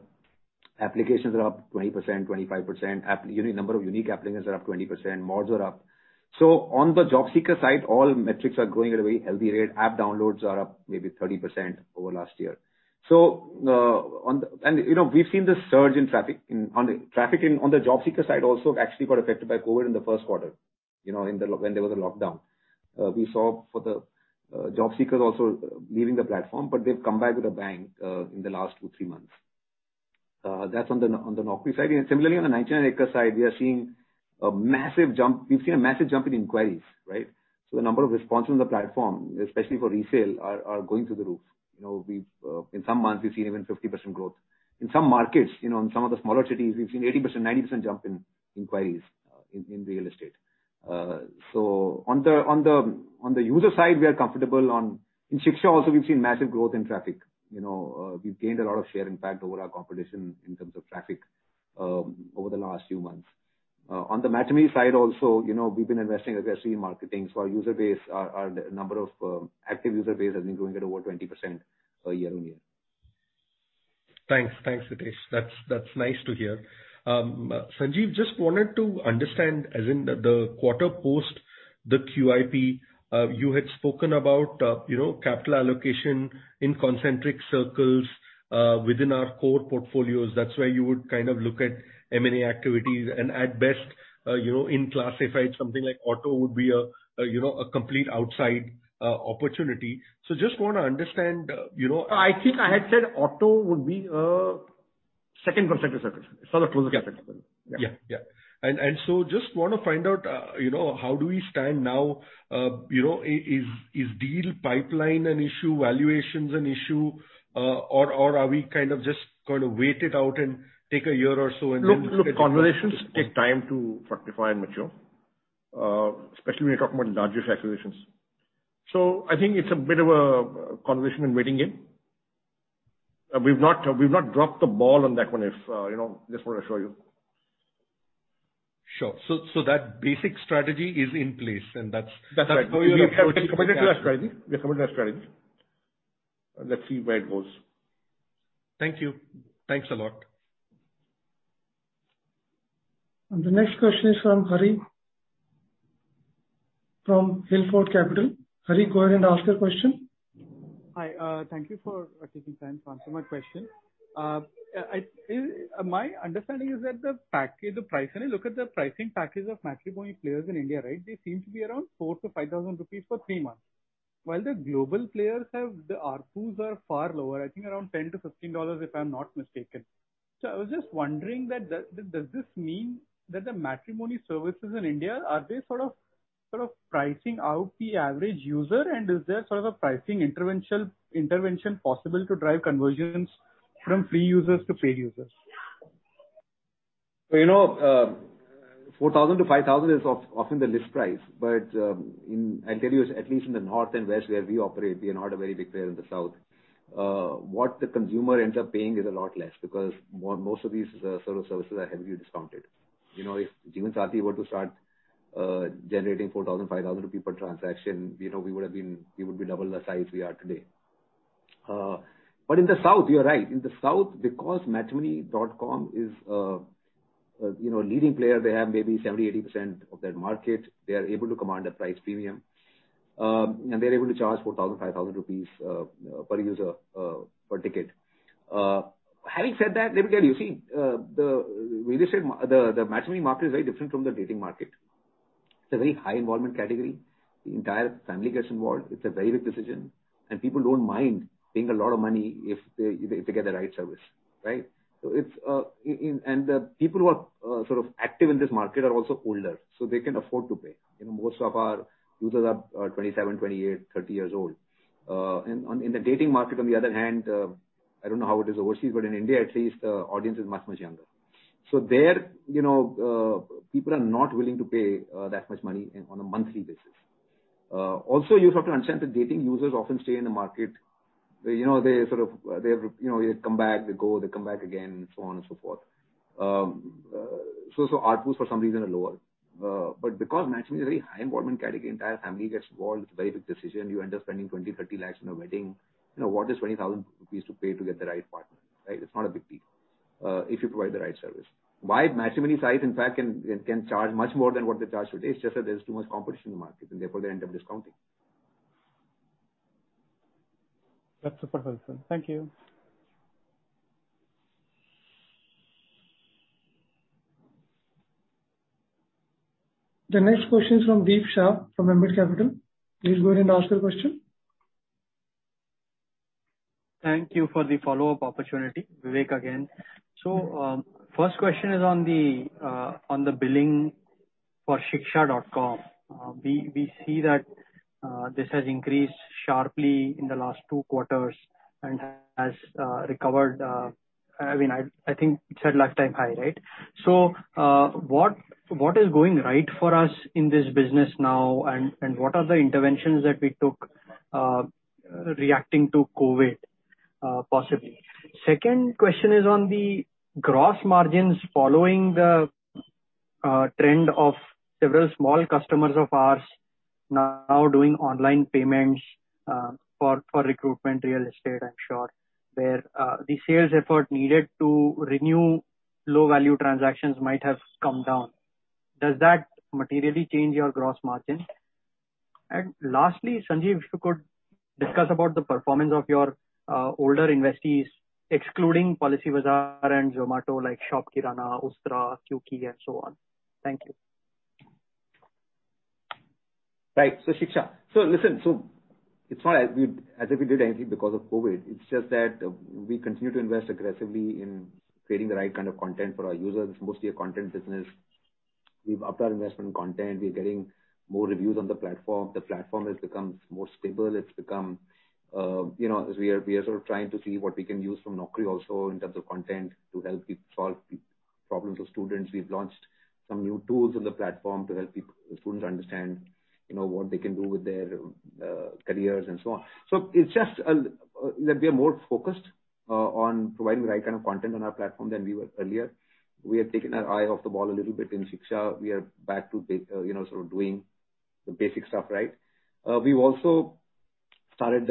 Applications are up 20%, 25%. Number of unique applicants are up 20%. MAUs are up. On the job seeker side, all metrics are growing at a very healthy rate. App downloads are up maybe 30% over last year. We've seen this surge in traffic. On the job seeker side also actually got affected by COVID in the first quarter, when there was a lockdown. We saw for the job seekers also leaving the platform, but they've come back with a bang in the last two, three months. That's on the Naukri side. Similarly, on the 99acres side, we've seen a massive jump in inquiries, right? The number of responses on the platform, especially for resale, are going through the roof. In some months we've seen even 50% growth. In some markets, in some of the smaller cities, we've seen 80%, 90% jump in inquiries in real estate. On the user side, we are comfortable. In Shiksha also, we've seen massive growth in traffic. We've gained a lot of share, in fact, over our competition in terms of traffic over the last few months. On the matrimony side also, we've been investing aggressively in marketing. Our user base, our number of active user base has been growing at over 20% year-on-year. Thanks, Hitesh. That's nice to hear. Sanjeev, just wanted to understand, as in the quarter post the QIP, you had spoken about capital allocation in concentric circles within our core portfolios. That's where you would look at M&A activities and at best, in classified something like auto would be a complete outside opportunity. Just want to understand. I think I had said auto would be a second concentric circle. It's not a closer concentric circle. Yeah. Just want to find out how do we stand now? Is deal pipeline an issue, valuation's an issue or are we just going to wait it out and take a year or so and then? Look, conversations take time to fructify and mature, especially when you're talking about larger acquisitions. I think it's a bit of a conversation and waiting game. We've not dropped the ball on that one, just want to assure you. Sure. That basic strategy is in place. That's right. We're committed to our strategy. Let's see where it goes. Thank you. Thanks a lot. The next question is from Hari from Hillfort Capital. Hari, go ahead and ask your question. Hi. Thank you for taking time to answer my question. My understanding is that the package, the pricing, look at the pricing package of matrimony players in India, right? They seem to be around 4,000-5,000 rupees for three months. While the global players have, the ARPUs are far lower, I think around $10-$15 if I'm not mistaken. I was just wondering that, does this mean that the matrimony services in India, are they sort of pricing out the average user and is there a pricing intervention possible to drive conversions from free users to paid users? 4,000-5,000 is often the list price. I'll tell you, at least in the north and west where we operate, we are not a very big player in the south. What the consumer ends up paying is a lot less because most of these sort of services are heavily discounted. If Jeevansathi were to start generating 4,000, 5,000 rupee per transaction, we would be double the size we are today. In the south, you're right. In the south, because Matrimony.com is a leading player, they have maybe 70%, 80% of that market. They are able to command a price premium. They're able to charge 4,000, 5,000 rupees per user per ticket. Having said that, let me tell you, we just said the matrimony market is very different from the dating market. It's a very high involvement category. The entire family gets involved. It's a very big decision. People don't mind paying a lot of money if they get the right service, right? The people who are active in this market are also older, so they can afford to pay. Most of our users are 27, 28, 30 years old. In the dating market, on the other hand, I don't know how it is overseas, but in India at least, the audience is much, much younger. There, people are not willing to pay that much money on a monthly basis. Also, you have to understand that dating users often stay in the market. They come back, they go, they come back again, and so on and so forth. ARPU's for some reason are lower. Because matrimony is a very high involvement category, entire family gets involved, it's a very big decision. You end up spending 20 lakhs, 30 lakhs in a wedding. What is 20,000 rupees to pay to get the right partner, right? It's not a big deal if you provide the right service. Wide Matrimony size, in fact, can charge much more than what they charge today. It's just that there's too much competition in the market, therefore they end up discounting. That's super helpful. Thank you. The next question is from Deep Shah from Ambit Capital. Please go ahead and ask your question. Thank you for the follow-up opportunity. Vivek again. First question is on the billing for shiksha.com. We see that this has increased sharply in the last two quarters and has recovered, I think it's at lifetime high, right? What is going right for us in this business now and what are the interventions that we took reacting to COVID possibly? Second question is on the gross margins following the trend of several small customers of ours now doing online payments for recruitment real estate, I'm sure, where the sales effort needed to renew low-value transactions might have come down. Does that materially change your gross margin? Lastly, Sanjeev, if you could discuss about the performance of your older investees excluding Policybazaar and Zomato like Shop Kirana, Ustraa, Kuki and so on. Thank you. Right. Shiksha. Listen, it's not as if we did anything because of COVID, it's just that we continue to invest aggressively in creating the right kind of content for our users. It's mostly a content business. We've upped our investment in content. We're getting more reviews on the platform. The platform has become more stable. We are sort of trying to see what we can use from Naukri also in terms of content to help people solve problems of students. We've launched some new tools on the platform to help students understand what they can do with their careers and so on. It's just that we are more focused on providing the right kind of content on our platform than we were earlier. We had taken our eye off the ball a little bit in Shiksha. We are back to sort of doing the basic stuff right. We've also started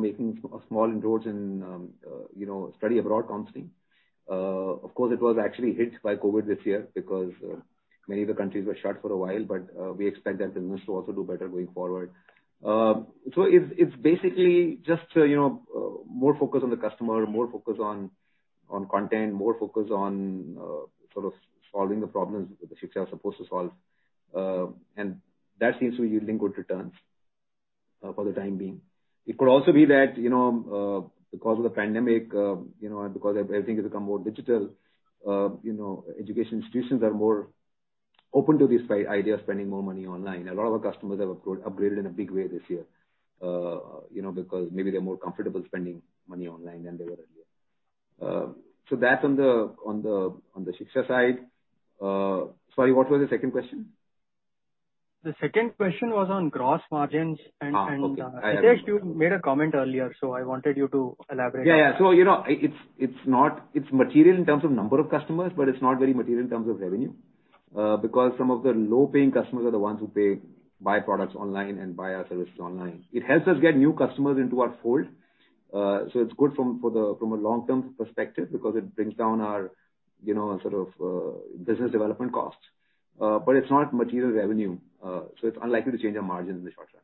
making small inroads in study abroad counseling. Of course, it was actually hit by COVID this year because many of the countries were shut for a while. We expect that business to also do better going forward. It's basically just more focus on the customer, more focus on content, more focus on sort of solving the problems that Shiksha is supposed to solve. That seems to be yielding good returns for the time being. It could also be that because of the pandemic, because everything has become more digital, education institutions are more open to this idea of spending more money online. A lot of our customers have upgraded in a big way this year, because maybe they're more comfortable spending money online than they were earlier. That's on the Shiksha side. Sorry, what was the second question? The second question was on gross margins. Okay. Hitesh, you made a comment earlier, so I wanted you to elaborate. Yeah. It's material in terms of number of customers, but it's not very material in terms of revenue. Because some of the low-paying customers are the ones who buy products online and buy our services online. It helps us get new customers into our fold. It's good from a long-term perspective because it brings down our sort of business development costs. It's not material revenue, so it's unlikely to change our margins in the short term.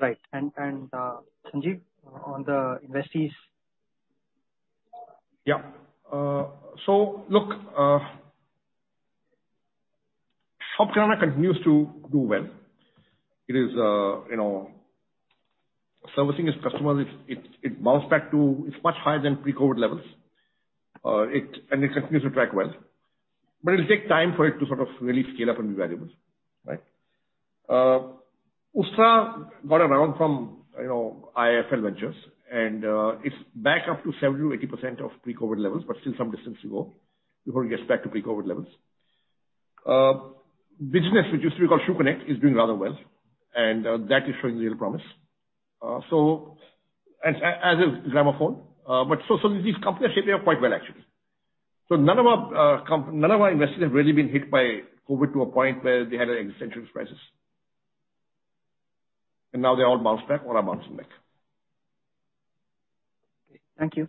Right. Sanjeev, on the investees? Yeah. Look, [inaudible] continues to do well. It is servicing its customers. It bounced back to much higher than pre-COVID levels. It continues to track well. It'll take time for it to sort of really scale up and be valuable. Right? Ustraa got a round from IIFL Ventures, and it's back up to 70%-80% of pre-COVID levels, but still some distance to go before it gets back to pre-COVID levels. Business which used to be called 4B Networks is doing rather well, and that is showing real promise. As is Gramophone. These companies are shaping up quite well, actually. None of our investments have really been hit by COVID to a point where they had an existential crisis. Now they all bounced back. All are bouncing back. Okay. Thank you.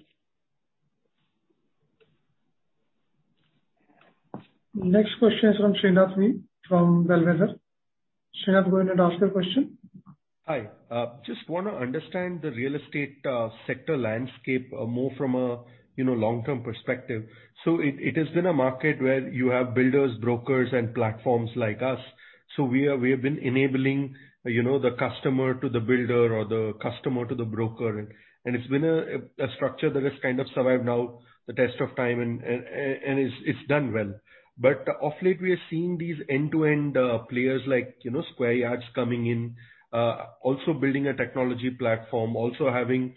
Next question is from Srinath V from Bellwether. Srinath, go ahead and ask your question. Hi. Just want to understand the real estate sector landscape more from a long-term perspective. It has been a market where you have builders, brokers, and platforms like us. We have been enabling the customer to the builder or the customer to the broker, and it's been a structure that has kind of survived now the test of time, and it's done well. Of late, we are seeing these end-to-end players like Square Yards coming in, also building a technology platform, also having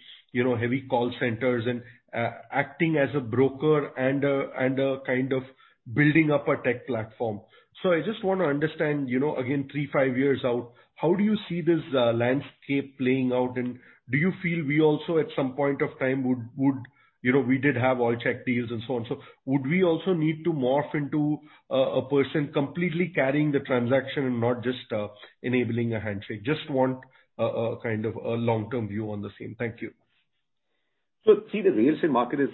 heavy call centers and acting as a broker and a kind of building up a tech platform. I just want to understand again, three, five years out, how do you see this landscape playing out, and do you feel we also at some point of time? We did have Allcheckdeals and so on. Would we also need to morph into a person completely carrying the transaction and not just enabling a handshake? Just want a kind of long-term view on the same. Thank you. See, the real estate market is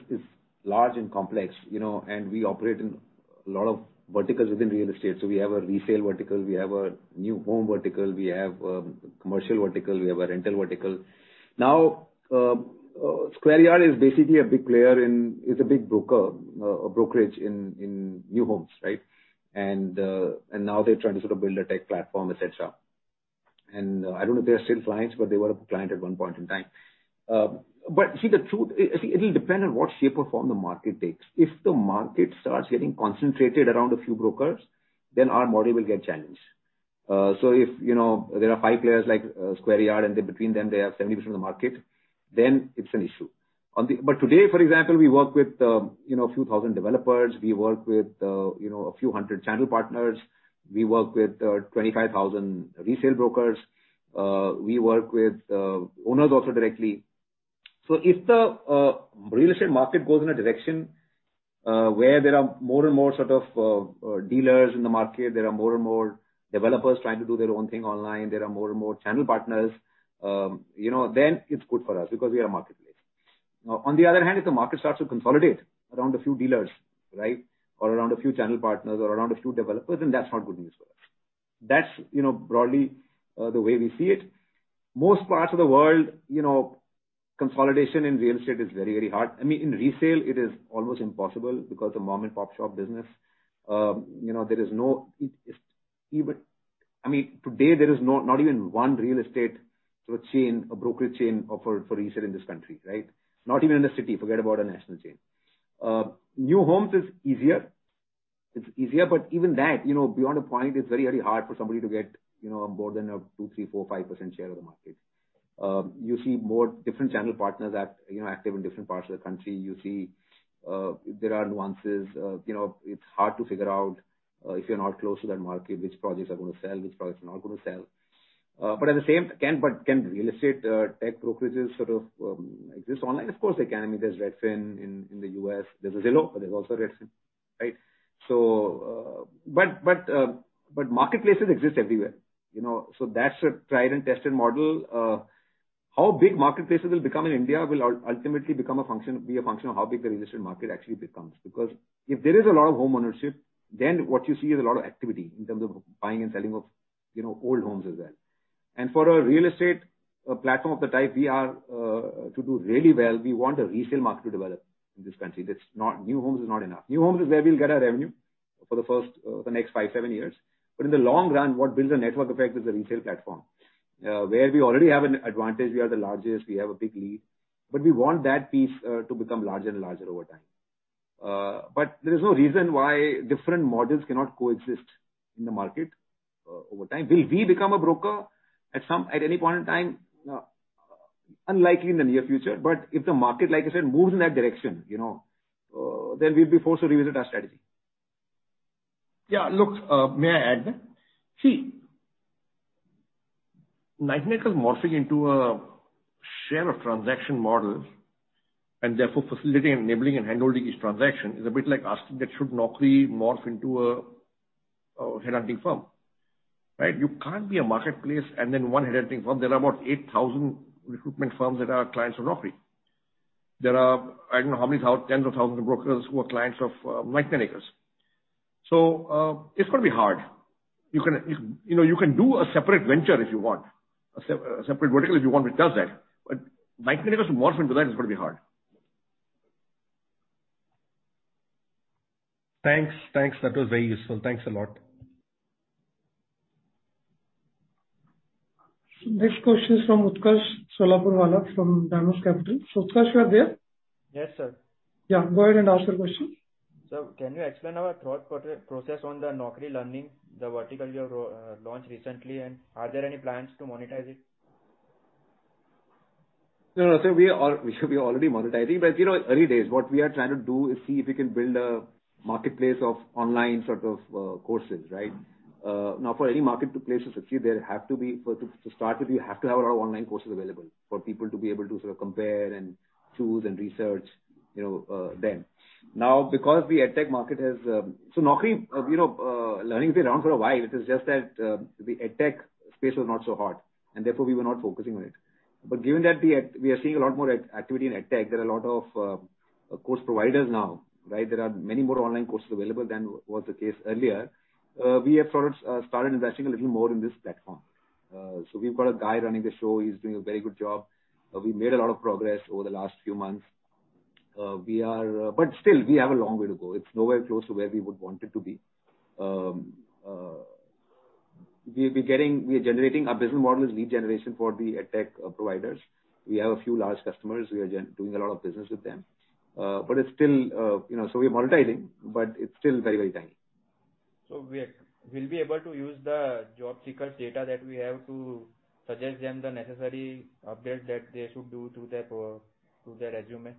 large and complex, and we operate in a lot of verticals within real estate. We have a resale vertical, we have a new home vertical, we have a commercial vertical, we have a rental vertical. Square Yards is basically a big player and is a big brokerage in new homes, right? Now they're trying to sort of build a tech platform, et cetera. I don't know if they are still clients, but they were a client at one point in time. See, the truth, it'll depend on what shape or form the market takes. If the market starts getting concentrated around a few brokers, our model will get challenged. If there are five players like Square Yards, and between them, they have 70% of the market, it's an issue. Today, for example, we work with a few thousand developers. We work with a few hundred channel partners. We work with 25,000 resale brokers. We work with owners also directly. If the real estate market goes in a direction where there are more and more sort of dealers in the market, there are more and more developers trying to do their own thing online, there are more and more channel partners, it's good for us because we are a marketplace. On the other hand, if the market starts to consolidate around a few dealers, right, or around a few channel partners or around a few developers, that's not good news for us. That's broadly the way we see it. Most parts of the world, consolidation in real estate is very, very hard. I mean, in resale, it is almost impossible because the mom-and-pop shop business, there is I mean, today there is not even one real estate sort of chain, a brokerage chain for resale in this country, right? Not even in the city, forget about a national chain. New homes is easier. It's easier, but even that, beyond a point, it's very hard for somebody to get more than a 2%, 3%, 4%, 5% share of the market. You see different channel partners active in different parts of the country. You see there are nuances. It's hard to figure out, if you're not close to that market, which projects are going to sell, which projects are not going to sell. Can real estate tech brokerages exist online? Of course, they can. There's Redfin in the U.S. There's Zillow, but there's also Redfin, right? Marketplaces exist everywhere. That's a tried and tested model. How big marketplaces will become in India will ultimately be a function of how big the real estate market actually becomes. If there is a lot of home ownership, then what you see is a lot of activity in terms of buying and selling of old homes as well. For a real estate platform of the type we are, to do really well, we want a resale market to develop in this country. New homes is not enough. New homes is where we'll get our revenue for the next five, seven years. In the long run, what builds a network effect is a resale platform. Where we already have an advantage, we are the largest, we have a big lead. We want that piece to become larger and larger over time. There is no reason why different models cannot coexist in the market over time. Will we become a broker at any point in time? Unlikely in the near future, but if the market, like I said, moves in that direction, then we'll be forced to revisit our strategy. Yeah. Look, may I add there? See, Knight Frank is morphing into a share of transaction models, and therefore facilitating and enabling and handling each transaction is a bit like asking that should Naukri morph into a headhunting firm, right? You can't be a marketplace and then one headhunting firm. There are about 8,000 recruitment firms that are clients of Naukri. There are, I don't know how many tens of thousands of brokers who are clients of Knight Frank. It's going to be hard. You can do a separate venture if you want, a separate vertical if you want, which does that. Knight Frank morphing into that is going to be hard. Thanks. That was very useful. Thanks a lot. Next question is from Utkarsh Solapurwala from Damos Capital. Utkarsh, you are there? Yes, sir. Yeah, go ahead and ask your question. Sir, can you explain our thought process on the Naukri Learning, the vertical you have launched recently? Are there any plans to monetize it? No, sir, we are already monetizing, but early days. What we are trying to do is see if we can build a marketplace of online courses, right? Now, for any marketplace to succeed, to start with, you have to have a lot of online courses available for people to be able to compare and choose and research them. Naukri Learning has been around for a while. It is just that the ed tech space was not so hot, and therefore we were not focusing on it. Given that we are seeing a lot more activity in ed tech, there are a lot of course providers now, right? There are many more online courses available than was the case earlier. We have started investing a little more in this platform. We've got a guy running the show. He's doing a very good job. We made a lot of progress over the last few months. Still, we have a long way to go. It's nowhere close to where we would want it to be. Our business model is lead generation for the ed tech providers. We have a few large customers. We are doing a lot of business with them. We are monetizing, but it's still very tiny. We'll be able to use the job seekers data that we have to suggest them the necessary updates that they should do to their resume?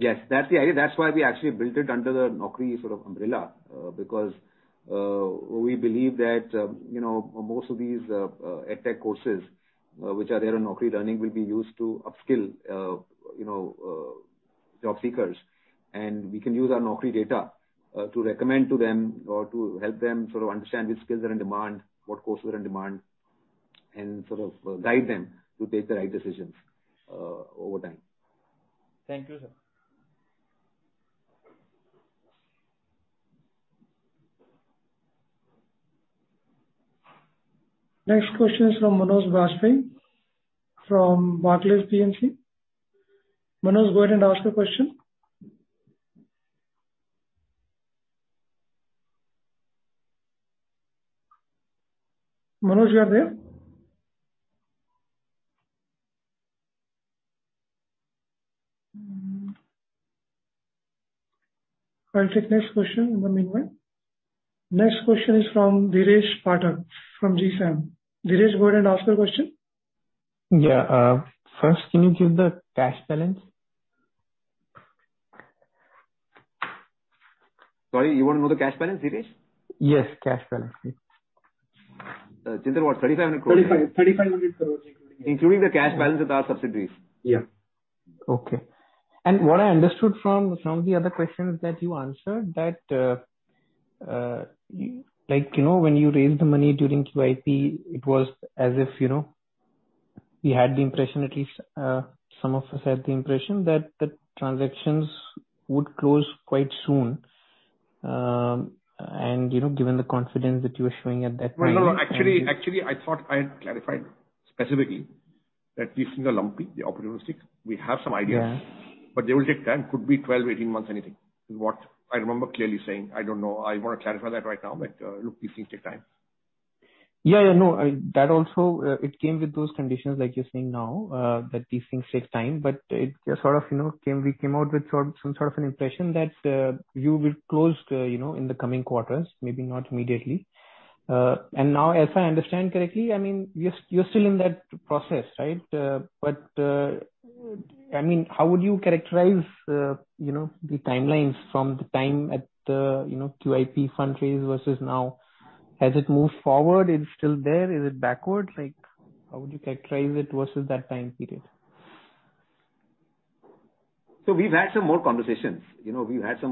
Yes. That's the idea. That's why we actually built it under the Naukri umbrella, because we believe that most of these ed tech courses which are there on Naukri Learning will be used to up-skill job seekers. We can use our Naukri data to recommend to them or to help them understand which skills are in demand, what courses are in demand, and guide them to take the right decisions over time. Thank you, sir. Next question is from Manoj Bahety from Barclays PMS. Manoj, go ahead and ask your question. Manoj, you are there? I'll take next question in the meanwhile. Next question is from Dheeresh Pathak from GSAM. Dheeresh, go ahead and ask your question. Yeah. First, can you give the cash balance? Sorry, you want to know the cash balance, Dheeresh? Yes, cash balance, please. Chintan, what? 3,700 crores. 3,500 crores. Including the cash balance with our subsidiaries. Yeah. Okay. What I understood from some of the other questions that you answered, that when you raised the money during QIP, it was as if we had the impression, at least some of us had the impression that the transactions would close quite soon. Given the confidence that you were showing at that time. No, actually, I thought I had clarified specifically that these things are lumpy, they are opportunistic. We have some ideas. Yeah. They will take time. Could be 12, 18 months, anything, is what I remember clearly saying. I don't know. I want to clarify that right now, look, these things take time. Yeah, I know. That also, it came with those conditions like you're saying now, that these things take time. We came out with some sort of an impression that you will close in the coming quarters, maybe not immediately. Now as I understand correctly, you're still in that process, right? How would you characterize the timelines from the time at the QIP fundraise versus now? Has it moved forward? Is it still there? Is it backward? How would you characterize it versus that time period? We've had some more conversations. We must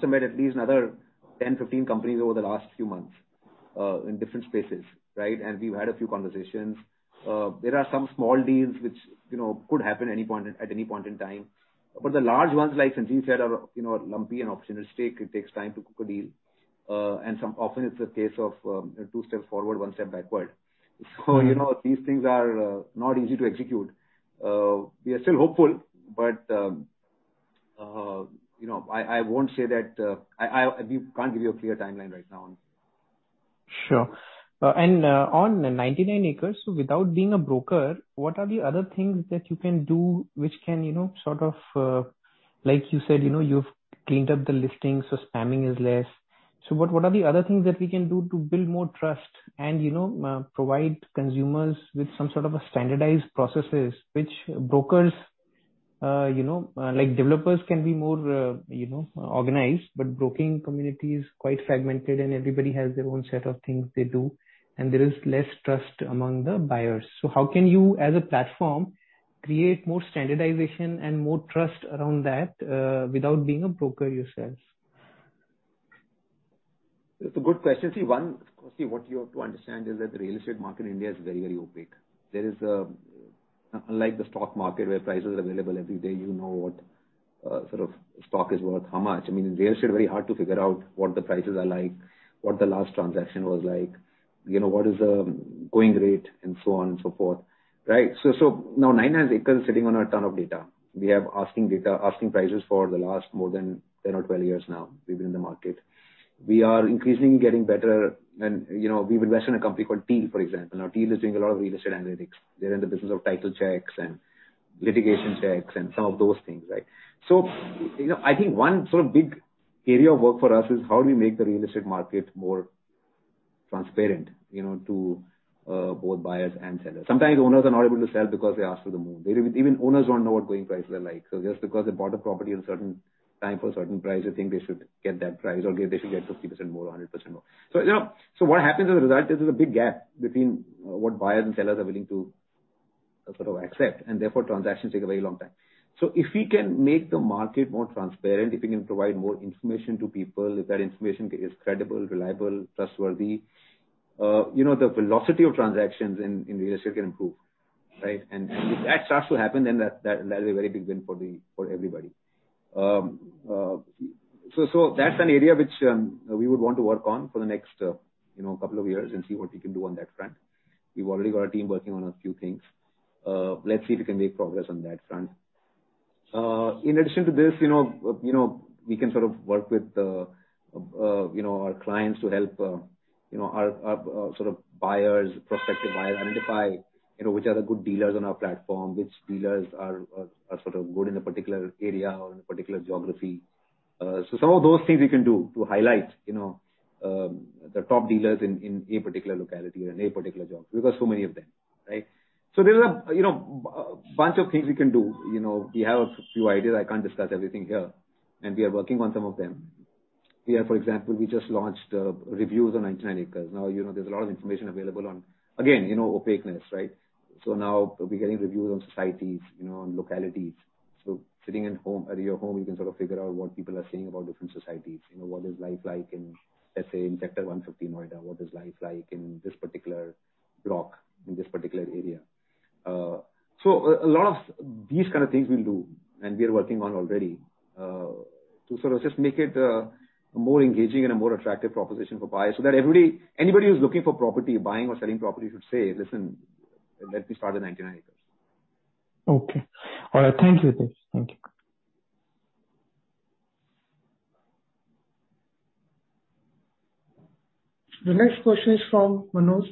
have met at least another 10, 15 companies over the last few months, in different spaces, right? We've had a few conversations. There are some small deals which could happen at any point in time. The large ones, like Sanjeev said, are lumpy and opportunistic. It takes time to cook a deal. Often it's a case of two steps forward, one step backward. These things are not easy to execute. We are still hopeful, but I can't give you a clear timeline right now on this. Sure. On 99acres, so without being a broker, what are the other things that you can do which can sort of, like you said, you've cleaned up the listings, so spamming is less. What are the other things that we can do to build more trust and provide consumers with some sort of standardized processes? Like developers can be more organized, but the broking community is quite fragmented and everybody has their own set of things they do, and there is less trust among the buyers. How can you, as a platform, create more standardization and more trust around that, without being a broker yourselves? What you have to understand is that the real estate market in India is very opaque. Unlike the stock market where prices are available every day, you know what sort of stock is worth how much. I mean, in real estate, it's very hard to figure out what the prices are like, what the last transaction was like, what is the going rate, and so on and so forth, right? Now, 99acres is sitting on a ton of data. We have asking data, asking prices for the last more than 10 or 12 years now we've been in the market. We are increasingly getting better and we've invested in a company called Teal, for example. Now, Teal is doing a lot of real estate analytics. They're in the business of title checks and litigation checks and some of those things, right? I think one sort of big area of work for us is how do we make the real estate market more transparent to both buyers and sellers. Sometimes owners are not able to sell because they ask for the moon. Even owners don't know what going prices are like. Just because they bought a property at a certain time for a certain price, they think they should get that price, or they should get 50% more, 100% more. What happens as a result, there's a big gap between what buyers and sellers are willing to sort of accept, and therefore transactions take a very long time. If we can make the market more transparent, if we can provide more information to people, if that information is credible, reliable, trustworthy, the velocity of transactions in real estate can improve, right? If that starts to happen, then that will be a very big win for everybody. That's an area which we would want to work on for the next couple of years and see what we can do on that front. We've already got a team working on a few things. Let's see if we can make progress on that front. In addition to this, we can sort of work with our clients to help our prospective buyers identify which are the good dealers on our platform, which dealers are sort of good in a particular area or in a particular geography. Some of those things we can do to highlight the top dealers in a particular locality and a particular geography, because so many of them, right? There is a bunch of things we can do. We have a few ideas. I can't discuss everything here, and we are working on some of them. We have, for example, we just launched reviews on 99acres. Now, there's a lot of information available on, again, opaqueness, right? Now we'll be getting reviews on societies, on localities. Sitting at your home, you can sort of figure out what people are saying about different societies. What is life like in, let's say, in Sector 150, Noida? What is life like in this particular block, in this particular area? A lot of these kind of things we'll do, and we are working on already, to sort of just make it a more engaging and a more attractive proposition for buyers, so that anybody who's looking for property, buying or selling property should say, "Listen, let me start at 99acres. Okay. All right. Thank you, Hitesh. Thank you. The next question is from Manoj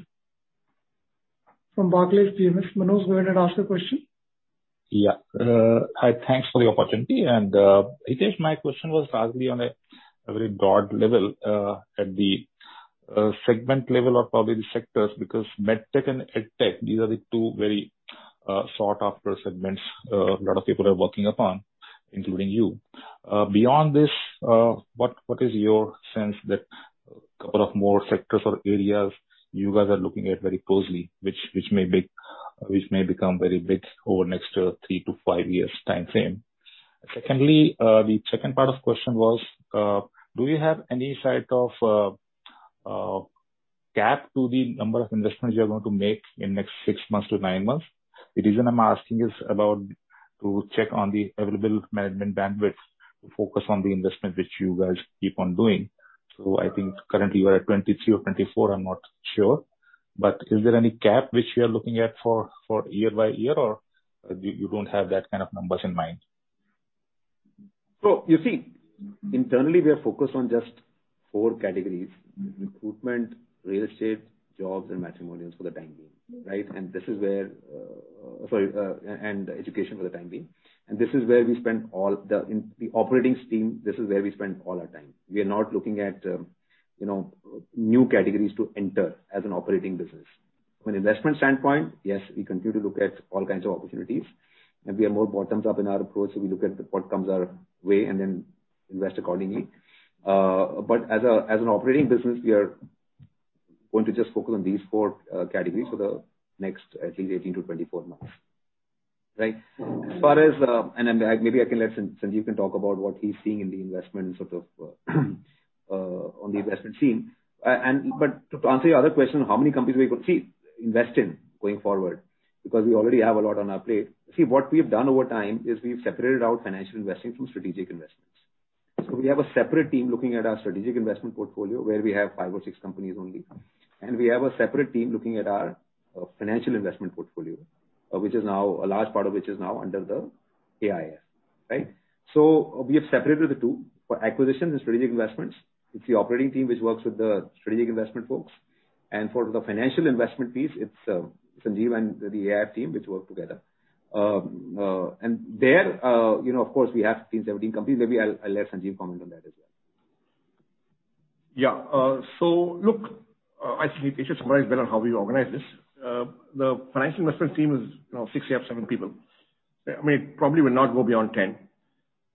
from Barclays PMS. Manoj, go ahead and ask the question. Yeah. Hi, thanks for the opportunity. Hitesh, my question was largely on a very broad level, at the segment level of probably the sectors because medtech and edtech, these are the two very sought-after segments a lot of people are working upon, including you. Beyond this, what is your sense that a couple of more sectors or areas you guys are looking at very closely, which may become very big over the next three to five years timeframe? Secondly, the second part of question was, do you have any sight of gap to the number of investments you are going to make in the next six to nine months? The reason I'm asking is about to check on the available management bandwidth to focus on the investment, which you guys keep on doing. I think currently you are at 2023 or 2024, I'm not sure. Is there any cap which you are looking at for year by year, or you don't have that kind of numbers in mind? You see, internally we are focused on just four categories: Recruitment, Real Estate, Jobs, and Matrimony for the time being. Right. Education for the time being. In the operating scheme, this is where we spend all our time. We are not looking at new categories to enter as an operating business. From an investment standpoint, yes, we continue to look at all kinds of opportunities, and we are more bottoms up in our approach. We look at what comes our way and then invest accordingly. As an operating business, we are going to just focus on these four categories for the next at least 18-24 months. Right. Maybe Sanjeev can talk about what he's seeing on the investment scene. To answer your other question, how many companies are we going to invest in going forward? We already have a lot on our plate. What we've done over time is we've separated out financial investing from strategic investments. We have a separate team looking at our strategic investment portfolio, where we have five or six companies only. We have a separate team looking at our financial investment portfolio, a large part of which is now under the AIF. Right? We have separated the two. For acquisitions and strategic investments, it's the operating team which works with the strategic investment folks. For the financial investment piece, it's Sanjeev and the AIF team which work together. There, of course, we have 13, 17 companies. Maybe I'll let Sanjeev comment on that as well. Yeah. Look, I think Hitesh summarized better how we organize this. The financial investment team is six, seven people. It probably will not go beyond 10.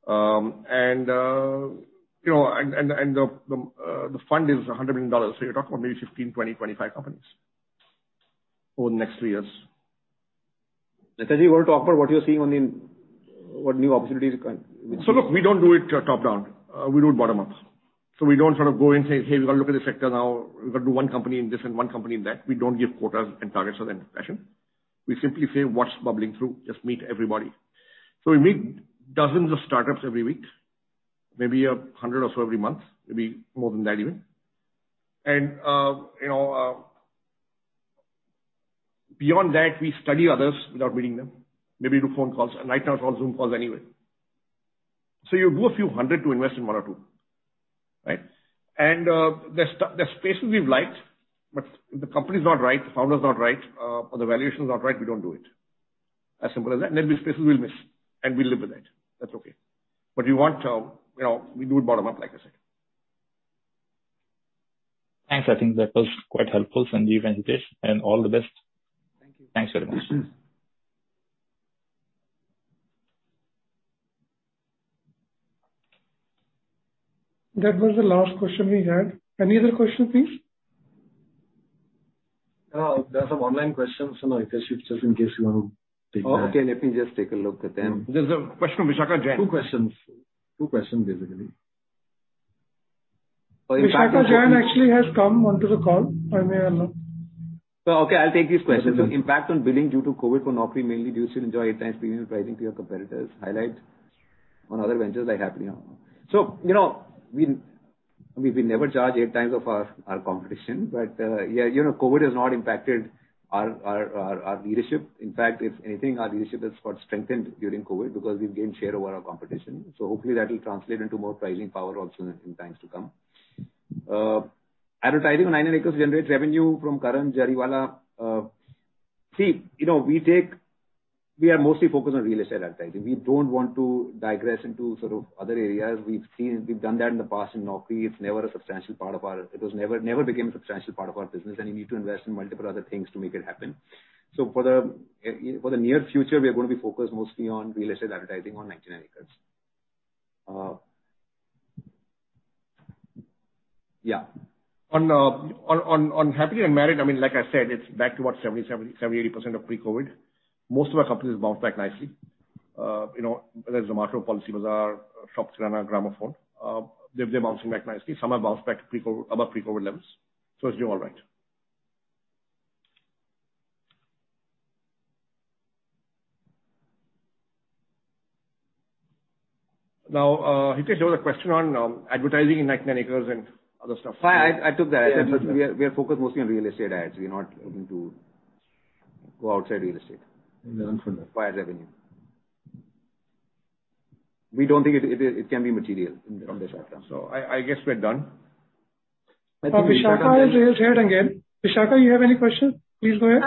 The fund is INR 100 million, so you're talking about maybe 15, 20, 25 companies over the next three years. Sanjeev, you want to talk about what new opportunities. Look, we don't do it top down. We do it bottom up. We don't sort of go in and say, "Hey, we've got to look at this sector now. We've got to do one company in this and one company in that." We don't give quotas and targets of that fashion. We simply say, "What's bubbling through?" Just meet everybody. We meet dozens of startups every week, maybe 100 or so every month, maybe more than that even. Beyond that, we study others without meeting them. Maybe do phone calls, right now it's all Zoom calls anyway. You go a few hundred to invest in one or two. Right? There's spaces we've liked, but if the company's not right, the founder's not right, or the valuation's not right, we don't do it. As simple as that. There'll be spaces we'll miss, and we live with that. That's okay. We do it bottom up, like I said. Thanks. I think that was quite helpful, Sanjeev and Hitesh, and all the best. Thank you. Thanks very much. That was the last question we had. Any other questions, please? There are some online questions, Hitesh, just in case you want to take them. Okay. Let me just take a look at them. There's a question from Vishakha Jain. Two questions. Two questions, basically. Vishakha Jain actually has come onto the call. I may have not- Okay, I'll take these questions. Impact on billing due to Covid for Naukri, mainly do you still enjoy 8x premium pricing to your competitors? Highlight on other ventures like Happily Unmarried. We never charge 8x of our competition. Covid has not impacted our leadership. In fact, if anything, our leadership has got strengthened during Covid because we've gained share over our competition. Hopefully that will translate into more pricing power also in times to come. Advertising on 99acres generates revenue from Karan Jariwala. We are mostly focused on real estate advertising. We don't want to digress into sort of other areas. We've done that in the past in Naukri. It never became a substantial part of our business, and you need to invest in multiple other things to make it happen. For the near future, we are going to be focused mostly on real estate advertising on 99acres. Yeah. On Happily Unmarried, like I said, it's back to what? 70%, 80% of pre-COVID. Most of our companies bounced back nicely. There's Zomato, Policybazaar, Shop Kirana, Gramophone. They're bouncing back nicely. Some have bounced back above pre-COVID levels. It's doing all right. Hitesh, there was a question on advertising in 99acres and other stuff. I took that. Yeah. We are focused mostly on real estate ads. We're not looking to go outside real estate. Understood. Via revenue. We don't think it can be material from this outcome. I guess we're done. Vishakha has raised her hand again. Vishakha, you have any questions? Please go ahead.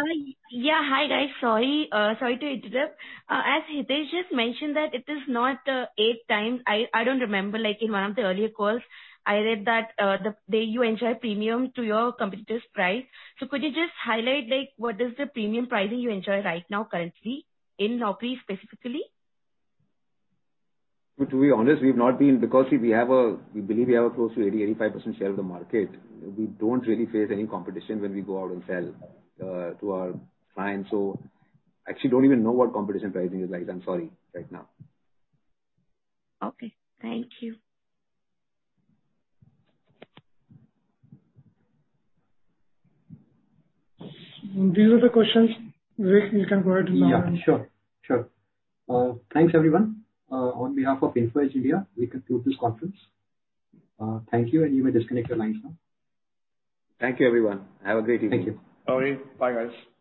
Yeah. Hi, guys. Sorry to interrupt. As Hitesh just mentioned that it is not eight times, I don't remember, like in one of the earlier calls, I read that you enjoy premium to your competitor's price. Could you just highlight, what is the premium pricing you enjoy right now currently in Naukri, specifically? To be honest, we've not been, because we believe we have a close to 80, 85% share of the market. We don't really face any competition when we go out and sell to our clients. Actually don't even know what competition pricing is like. I'm sorry. Right now. Okay. Thank you. These are the questions. You can go ahead now. Yeah, sure. Thanks, everyone. On behalf of Info Edge India, we conclude this conference. Thank you. You may disconnect your lines now. Thank you, everyone. Have a great evening. Thank you. Okay. Bye, guys.